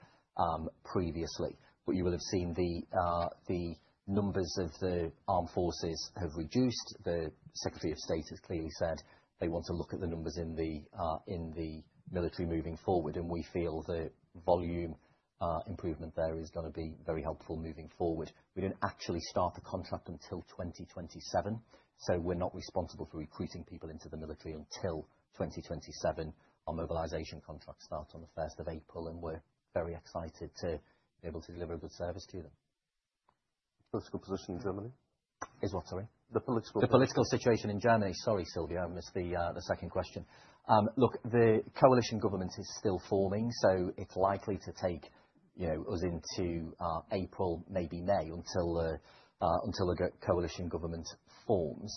previously. But you will have seen the numbers of the armed forces have reduced. The Secretary of State has clearly said they want to look at the numbers in the military moving forward. And we feel the volume improvement there is going to be very helpful moving forward. We don't actually start the contract until 2027. So we're not responsible for recruiting people into the military until 2027. Our mobilization contracts start on the 1st of April, and we're very excited to be able to deliver a good service to them. Political position in Germany. Is what, sorry? The political situation in Germany. Sorry, Sylvia. I missed the second question. Look, the coalition government is still forming. So it's likely to take us into April, maybe May, until a coalition government forms.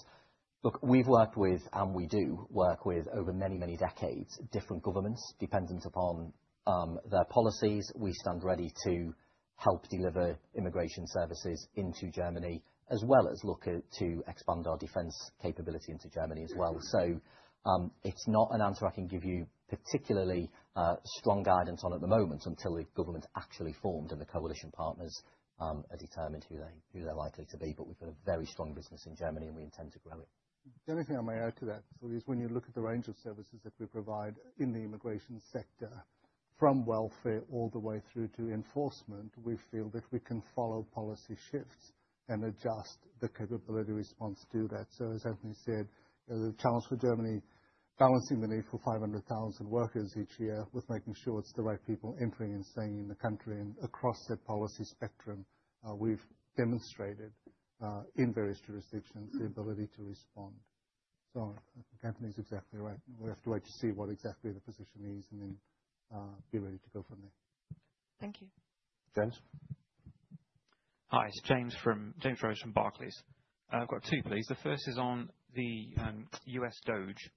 Look, we've worked with, and we do work with, over many, many decades, different governments dependent upon their policies. We stand ready to help deliver immigration services into Germany, as well as look to expand our defense capability into Germany as well. So it's not an answer I can give you particularly strong guidance on at the moment until the government's actually formed and the coalition partners are determined who they're likely to be. But we've got a very strong business in Germany, and we intend to grow it. The only thing I may add to that, Sylvia, is when you look at the range of services that we provide in the immigration sector, from welfare all the way through to enforcement, we feel that we can follow policy shifts and adjust the capability response to that. So as Anthony said, the challenge for Germany, balancing the need for 500,000 workers each year with making sure it's the right people entering and staying in the country and across that policy spectrum, we've demonstrated in various jurisdictions the ability to respond. So I think Anthony's exactly right. We have to wait to see what exactly the position is and then be ready to go from there. Thank you. James? Hi. It's James Rose from Barclays. I've got two, please. The first is on the US DOGE,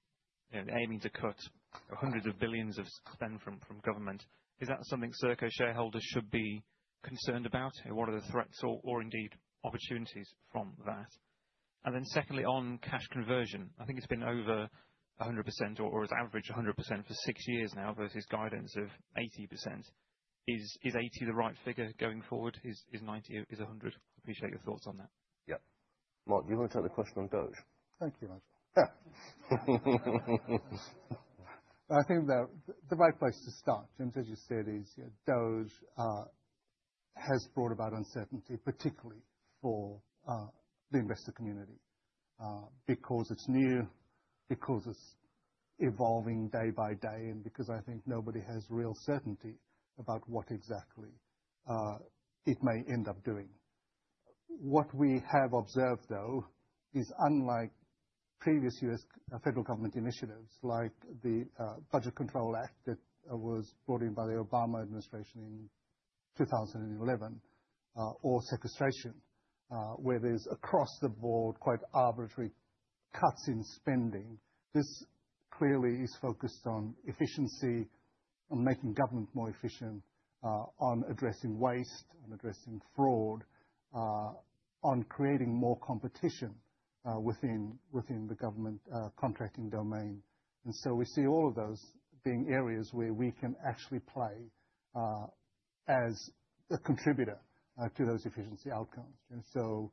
aiming to cut hundreds of billions of spend from government. Is that something Serco shareholders should be concerned about? What are the threats or indeed opportunities from that? And then secondly, on cash conversion, I think it's been over 100% or has averaged 100% for six years now versus guidance of 80%. Is 80% the right figure going forward? Is 90%? Is 100%? Appreciate your thoughts on that. Yep. Mark, do you want to take the question on DOGE? Thank you, Nigel. I think the right place to start, James, as you said, is DOGE has brought about uncertainty, particularly for the investor community, because it's new, because it's evolving day by day, and because I think nobody has real certainty about what exactly it may end up doing. What we have observed, though, is unlike previous U.S. federal government initiatives like the Budget Control Act that was brought in by the Obama administration in 2011 or sequestration, where there's across the board quite arbitrary cuts in spending. This clearly is focused on efficiency, on making government more efficient, on addressing waste, on addressing fraud, on creating more competition within the government contracting domain, and so we see all of those being areas where we can actually play as a contributor to those efficiency outcomes. And so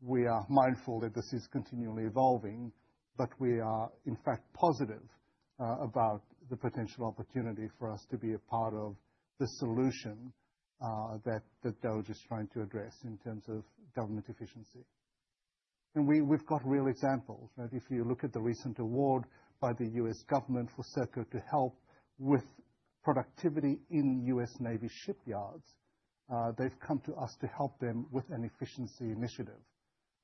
we are mindful that this is continually evolving, but we are, in fact, positive about the potential opportunity for us to be a part of the solution that DOGE is trying to address in terms of government efficiency. And we've got real examples. If you look at the recent award by the U.S. government for Serco to help with productivity in U.S. Navy shipyards, they've come to us to help them with an efficiency initiative.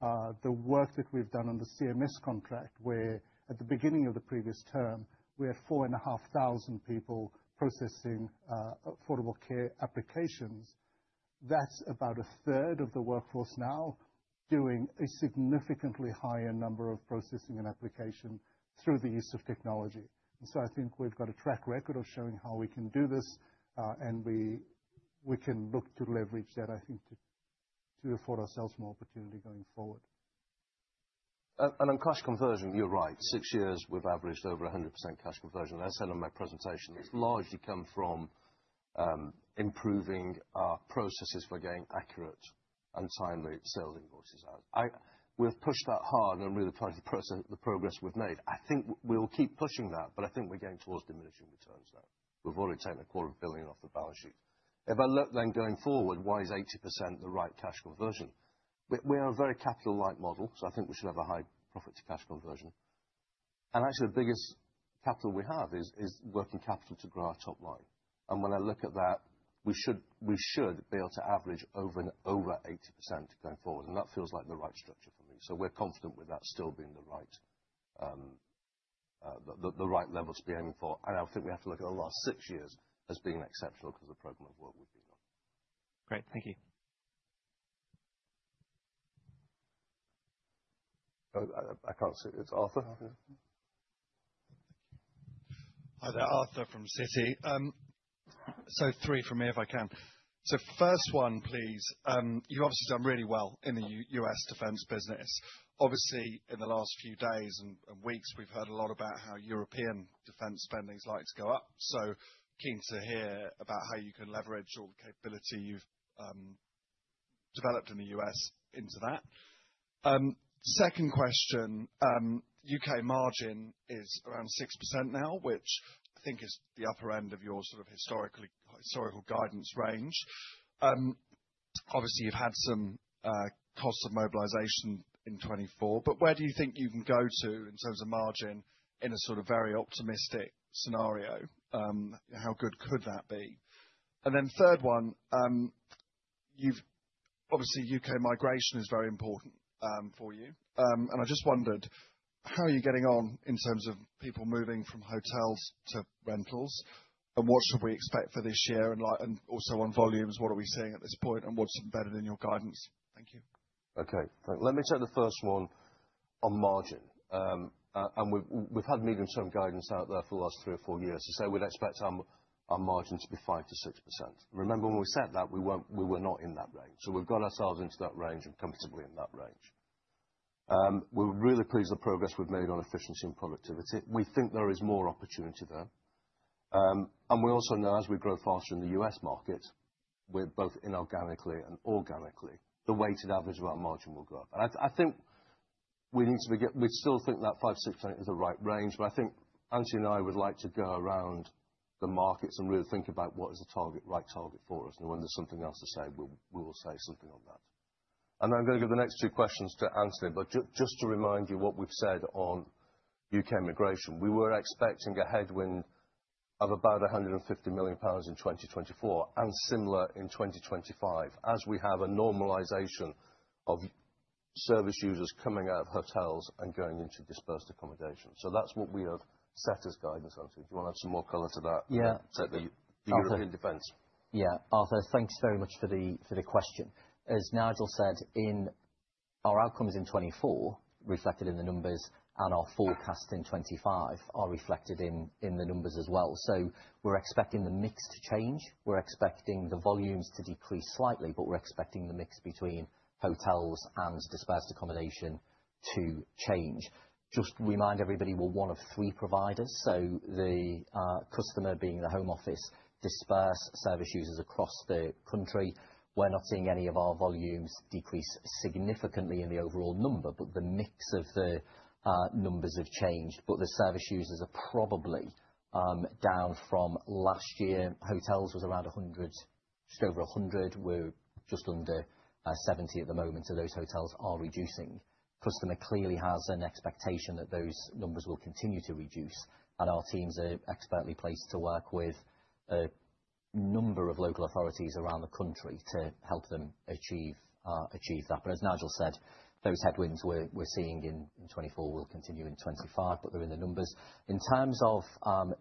The work that we've done on the CMS contract, where at the beginning of the previous term, we had 4,500 people processing affordable care applications. That's about 1/3 of the workforce now doing a significantly higher number of processing and application through the use of technology. And so I think we've got a track record of showing how we can do this, and we can look to leverage that, I think, to afford ourselves more opportunity going forward. On cash conversion, you're right. Six years, we've averaged over 100% cash conversion. I said in my presentation, it's largely come from improving our processes for getting accurate and timely sales invoices out. We've pushed that hard and really appreciate the progress we've made. I think we'll keep pushing that, but I think we're going towards diminishing returns now. We've already taken 250 million off the balance sheet. If I look then going forward, why is 80% the right cash conversion? We are a very capital-light model, so I think we should have a high profit-to-cash conversion. Actually, the biggest capital we have is working capital to grow our top line. When I look at that, we should be able to average over 80% going forward. That feels like the right structure for me. So we're confident with that still being the right level to be aiming for. And I think we have to look at the last six years as being exceptional because of the program of work we've been on. Great. Thank you. I can't see it. It's Arthur. Hi, there. Arthur from Citi. So three from me, if I can. So first one, please. You've obviously done really well in the U.S. defense business. Obviously, in the last few days and weeks, we've heard a lot about how European defense spending's likely to go up. So keen to hear about how you can leverage all the capability you've developed in the U.S. into that. Second question, U.K. margin is around 6% now, which I think is the upper end of your sort of historical guidance range. Obviously, you've had some costs of mobilization in 2024. But where do you think you can go to in terms of margin in a sort of very optimistic scenario? How good could that be? And then third one, obviously, U.K. migration is very important for you. I just wondered, how are you getting on in terms of people moving from hotels to rentals? And what should we expect for this year? And also on volumes, what are we seeing at this point? And what's embedded in your guidance? Thank you. Okay. Let me take the first one on margin. And we've had medium-term guidance out there for the last three or four years. So we'd expect our margin to be 5%-6%. Remember, when we said that, we were not in that range. So we've got ourselves into that range and comfortably in that range. We're really pleased with the progress we've made on efficiency and productivity. We think there is more opportunity there. And we also know as we grow faster in the U.S. market, both inorganically and organically, the weighted average of our margin will go up. And I think we still think that 5%-6% is the right range. But I think Anthony and I would like to go around the markets and really think about what is the right target for us. When there's something else to say, we will say something on that. I'm going to give the next two questions to Anthony. Just to remind you what we've said on U.K. immigration, we were expecting a headwind of about 150 million pounds in 2024 and similar in 2025 as we have a normalization of service users coming out of hotels and going into dispersed accommodation. That's what we have set as guidance, Anthony. Do you want to add some more color to that? Yeah. The European defense. Yeah. Arthur, thanks very much for the question. As Nigel said, our outcomes in 2024 reflected in the numbers, and our forecast in 2025 are reflected in the numbers as well. So we're expecting the mix to change. We're expecting the volumes to decrease slightly, but we're expecting the mix between hotels and dispersed accommodation to change. Just remind everybody we're one of three providers. So the customer being the Home Office, dispersed service users across the country. We're not seeing any of our volumes decrease significantly in the overall number, but the mix of the numbers have changed. But the service users are probably down from last year. Hotels was around 100, just over 100. We're just under 70 at the moment, so those hotels are reducing. Customer clearly has an expectation that those numbers will continue to reduce. Our teams are expertly placed to work with a number of local authorities around the country to help them achieve that. But as Nigel said, those headwinds we're seeing in 2024 will continue in 2025, but they're in the numbers. In terms of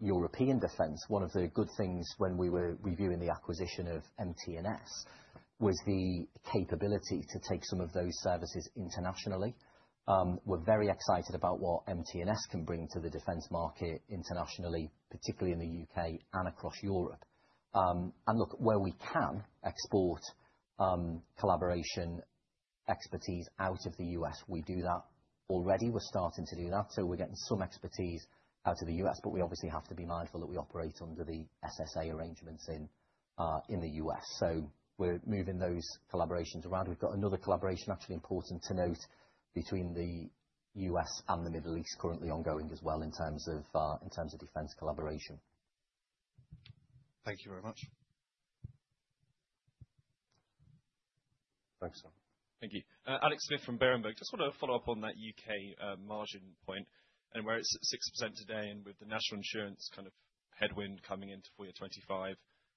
European defense, one of the good things when we were reviewing the acquisition of MT&S was the capability to take some of those services internationally. We're very excited about what MT&S can bring to the defense market internationally, particularly in the U.K. and across Europe. And look, where we can export collaboration expertise out of the U.S., we do that already. We're starting to do that. So we're getting some expertise out of the U.S. But we obviously have to be mindful that we operate under the SSA arrangements in the U.S. So we're moving those collaborations around. We've got another collaboration, actually important to note, between the U.S. and the Middle East currently ongoing as well in terms of defense collaboration. Thank you very much. Thanks, sir. Thank you. Alex Smith from Berenberg. Just want to follow up on that U.K. margin point and where it's at 6% today and with the National Insurance kind of headwind coming into for year 2025,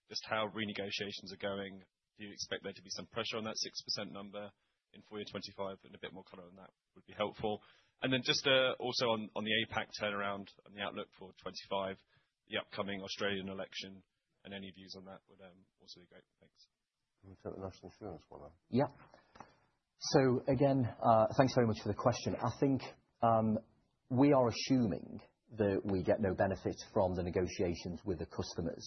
just how renegotiations are going. Do you expect there to be some pressure on that 6% number in for year 2025? And a bit more color on that would be helpful. And then just also on the APAC turnaround and the outlook for 2025, the upcoming Australian election and any views on that would also be great. Thanks. Can we take the National Insurance one then? Yep, so again, thanks very much for the question. I think we are assuming that we get no benefit from the negotiations with the customers,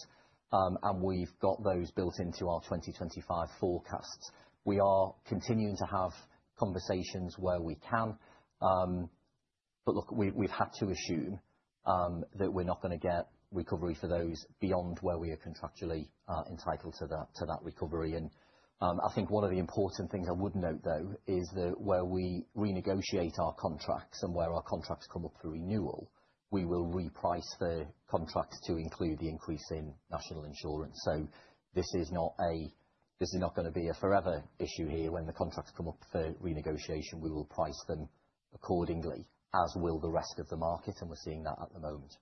and we've got those built into our 2025 forecasts. We are continuing to have conversations where we can, but look, we've had to assume that we're not going to get recovery for those beyond where we are contractually entitled to that recovery. And I think one of the important things I would note, though, is that where we renegotiate our contracts and where our contracts come up for renewal, we will reprice the contracts to include the increase in National Insurance. So this is not going to be a forever issue here. When the contracts come up for renegotiation, we will price them accordingly, as will the rest of the market, and we're seeing that at the moment.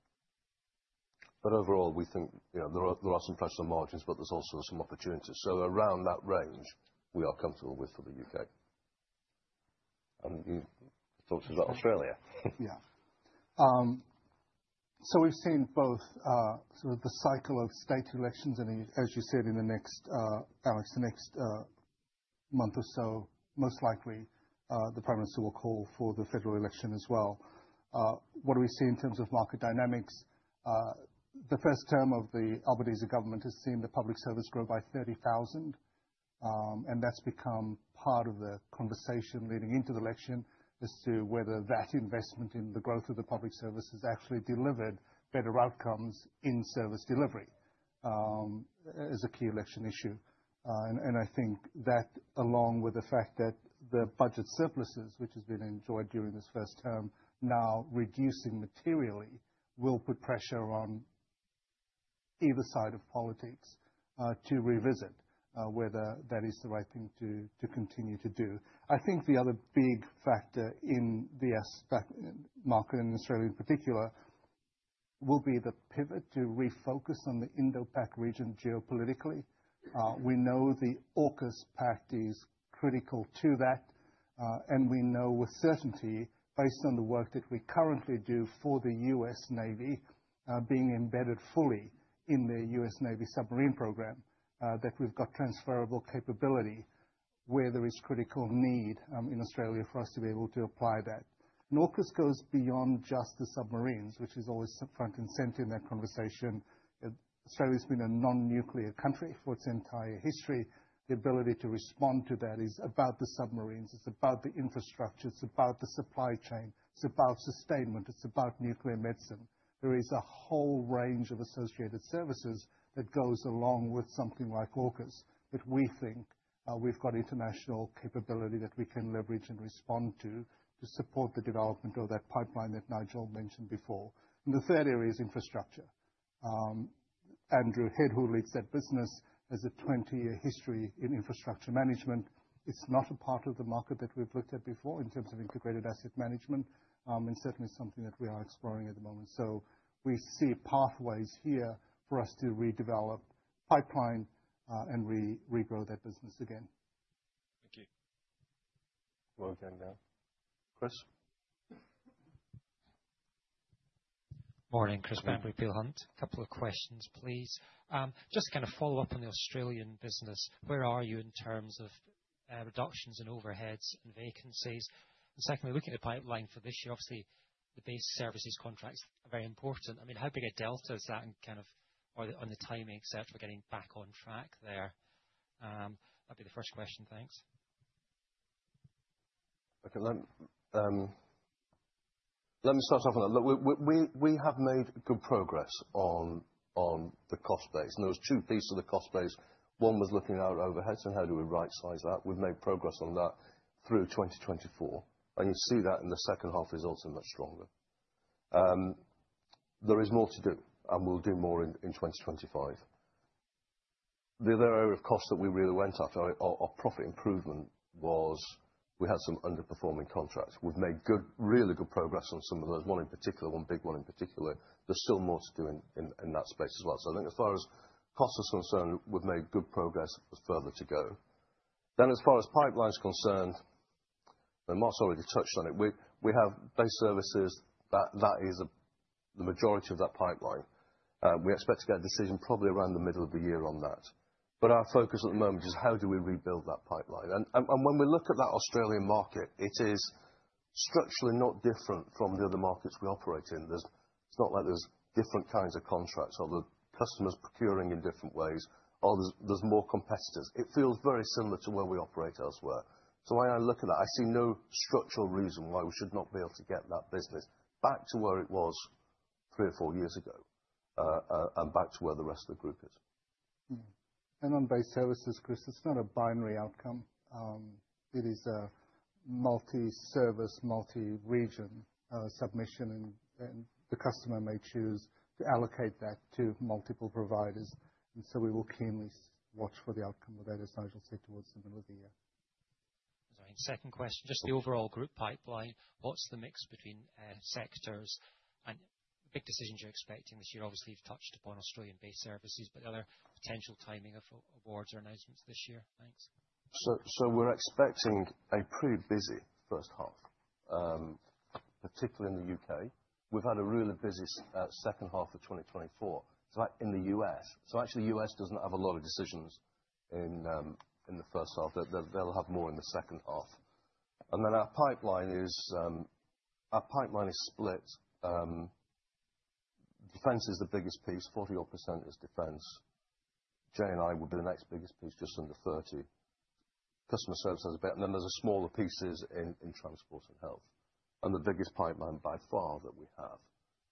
But overall, we think there are some flexible margins, but there's also some opportunities. So around that range, we are comfortable with for the U.K.. And you talked about Australia. Yeah. So we've seen both sort of the cycle of state elections and, as you said, in the next, Alex, the next month or so, most likely the Prime Minister will call for the federal election as well. What do we see in terms of market dynamics? The first term of the Albanese government has seen the public service grow by 30,000. And that's become part of the conversation leading into the election as to whether that investment in the growth of the public service has actually delivered better outcomes in service delivery as a key election issue. And I think that, along with the fact that the budget surpluses, which has been enjoyed during this first term, now reducing materially will put pressure on either side of politics to revisit whether that is the right thing to continue to do. I think the other big factor in the market in Australia in particular will be the pivot to refocus on the Indo-Pac region geopolitically. We know the AUKUS pact is critical to that. And we know with certainty, based on the work that we currently do for the US Navy, being embedded fully in the US Navy submarine program, that we've got transferable capability where there is critical need in Australia for us to be able to apply that. And AUKUS goes beyond just the submarines, which is always front and center in that conversation. Australia has been a non-nuclear country for its entire history. The ability to respond to that is about the submarines. It's about the infrastructure. It's about the supply chain. It's about sustainment. It's about nuclear medicine. There is a whole range of associated services that goes along with something like AUKUS that we think we've got international capability that we can leverage and respond to support the development of that pipeline that Nigel mentioned before. And the third area is infrastructure. Andrew Head, who leads that business, has a 20-year history in infrastructure management. It's not a part of the market that we've looked at before in terms of integrated asset management and certainly something that we are exploring at the moment. So we see pathways here for us to redevelop pipeline and regrow that business again. Thank you. Well done, Dan. Chris? Morning, Chris Bamberry, Peel Hunt. A couple of questions, please. Just to kind of follow up on the Australian business, where are you in terms of reductions in overheads and vacancies? And secondly, looking at the pipeline for this year, obviously, the Base Services contracts are very important. I mean, how big a delta is that in kind of on the timing, etc., getting back on track there? That'd be the first question. Thanks. Okay. Let me start off on that. Look, we have made good progress on the cost base, and there was two pieces of the cost base. One was looking at our overheads and how do we right-size that. We've made progress on that through 2024, and you see that in the second half results are much stronger. There is more to do, and we'll do more in 2025. The other area of cost that we really went after, our profit improvement, was we had some underperforming contracts. We've made really good progress on some of those. One in particular, one big one in particular. There's still more to do in that space as well, so I think as far as cost is concerned, we've made good progress. There's further to go, then as far as pipeline is concerned, and Mark's already touched on it, we have Base Services. That is the majority of that pipeline. We expect to get a decision probably around the middle of the year on that. But our focus at the moment is how do we rebuild that pipeline? And when we look at that Australian market, it is structurally not different from the other markets we operate in. It's not like there's different kinds of contracts or the customers procuring in different ways or there's more competitors. It feels very similar to where we operate elsewhere. So when I look at that, I see no structural reason why we should not be able to get that business back to where it was three or four years ago and back to where the rest of the group is. And on Base Services, Chris, it's not a binary outcome. It is a multi-service, multi-region submission, and the customer may choose to allocate that to multiple providers. And so we will keenly watch for the outcome of that, as Nigel said, towards the middle of the year. Second question, just the overall group pipeline, what's the mix between sectors? And big decisions you're expecting this year, obviously, you've touched upon Australian Base Services, but are there potential timing of awards or announcements this year? Thanks. So we're expecting a pretty busy first half, particularly in the U.K. We've had a really busy second half of 2024. It's like in the U.S. So actually, the U.S. doesn't have a lot of decisions in the first half. They'll have more in the second half. And then our pipeline is split. Defense is the biggest piece. 40-odd% is defense. J&I would be the next biggest piece, just under 30. Customer service has a bit. And then there's smaller pieces in transport and health. And the biggest pipeline by far that we have,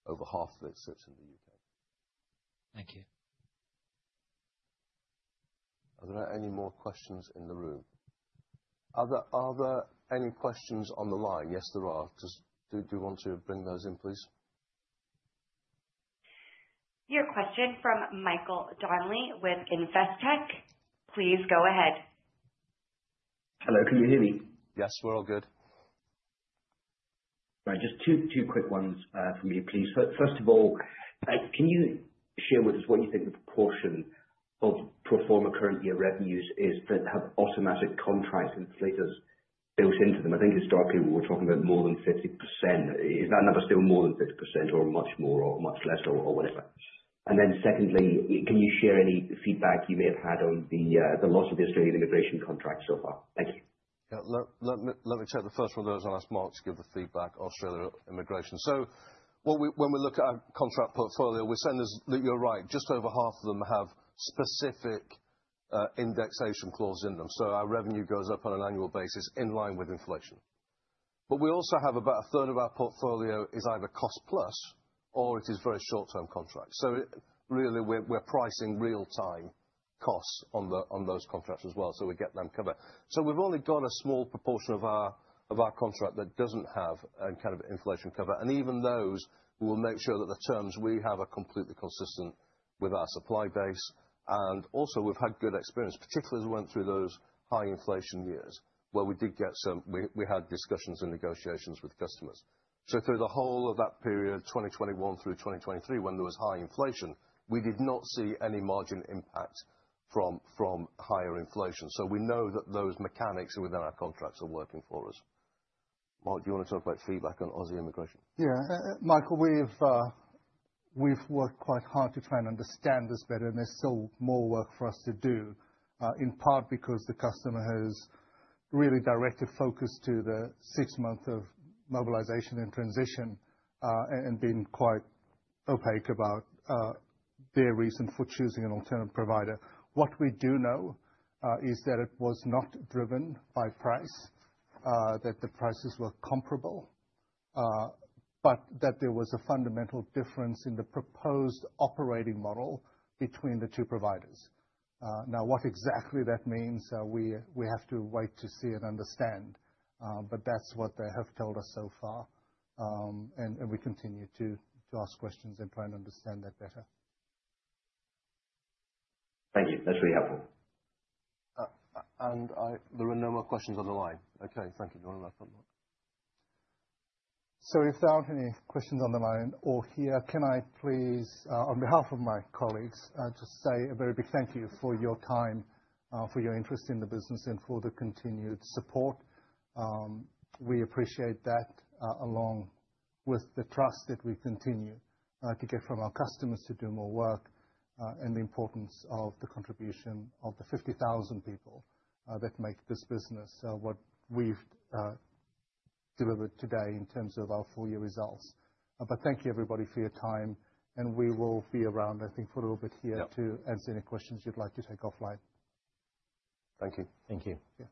over half of it sits in the U.K. Thank you. Are there any more questions in the room? Are there any questions on the line? Yes, there are. Do you want to bring those in, please? Your question from Michael Donnelly with Investec. Please go ahead. Hello. Can you hear me? Yes, we're all good. Right. Just two quick ones from you, please. First of all, can you share with us what you think the proportion of pro forma current year revenues is that have automatic contract inflators built into them? I think historically, we were talking about more than 50%. Is that number still more than 50% or much more or much less or whatever? And then secondly, can you share any feedback you may have had on the loss of the Australian immigration contract so far? Thank you. Let me take the first one there. I'll ask Mark to give the feedback, Australia immigration. So when we look at our contract portfolio, we're saying yes, you're right, just over half of them have specific indexation clauses in them. So our revenue goes up on an annual basis in line with inflation, but we also have about 1/3 of our portfolio is either cost-plus or it is very short-term contracts. So really, we're pricing real-time costs on those contracts as well. So we get them covered. So we've only got a small proportion of our contract that doesn't have kind of inflation cover, and even those, we will make sure that the terms we have are completely consistent with our supply base. Also, we've had good experience, particularly as we went through those high inflation years where we had discussions and negotiations with customers. So through the whole of that period, 2021 through 2023, when there was high inflation, we did not see any margin impact from higher inflation. So we know that those mechanics within our contracts are working for us. Mark, do you want to talk about feedback on Aussie immigration? Yeah. Michael, we've worked quite hard to try and understand this better. And there's still more work for us to do, in part because the customer has really directed focus to the six months of mobilization and transition and been quite opaque about their reason for choosing an alternative provider. What we do know is that it was not driven by price, that the prices were comparable, but that there was a fundamental difference in the proposed operating model between the two providers. Now, what exactly that means, we have to wait to see and understand. But that's what they have told us so far. And we continue to ask questions and try and understand that better. Thank you. That's really helpful. And there are no more questions on the line. Okay. Thank you, John. And I've got not. So if there aren't any questions on the line or here, can I please, on behalf of my colleagues, just say a very big thank you for your time, for your interest in the business, and for the continued support? We appreciate that along with the trust that we continue to get from our customers to do more work and the importance of the contribution of the 50,000 people that make this business what we've delivered today in terms of our full year results. But thank you, everybody, for your time. And we will be around, I think, for a little bit here to answer any questions you'd like to take offline. Thank you. Thank you. Yeah.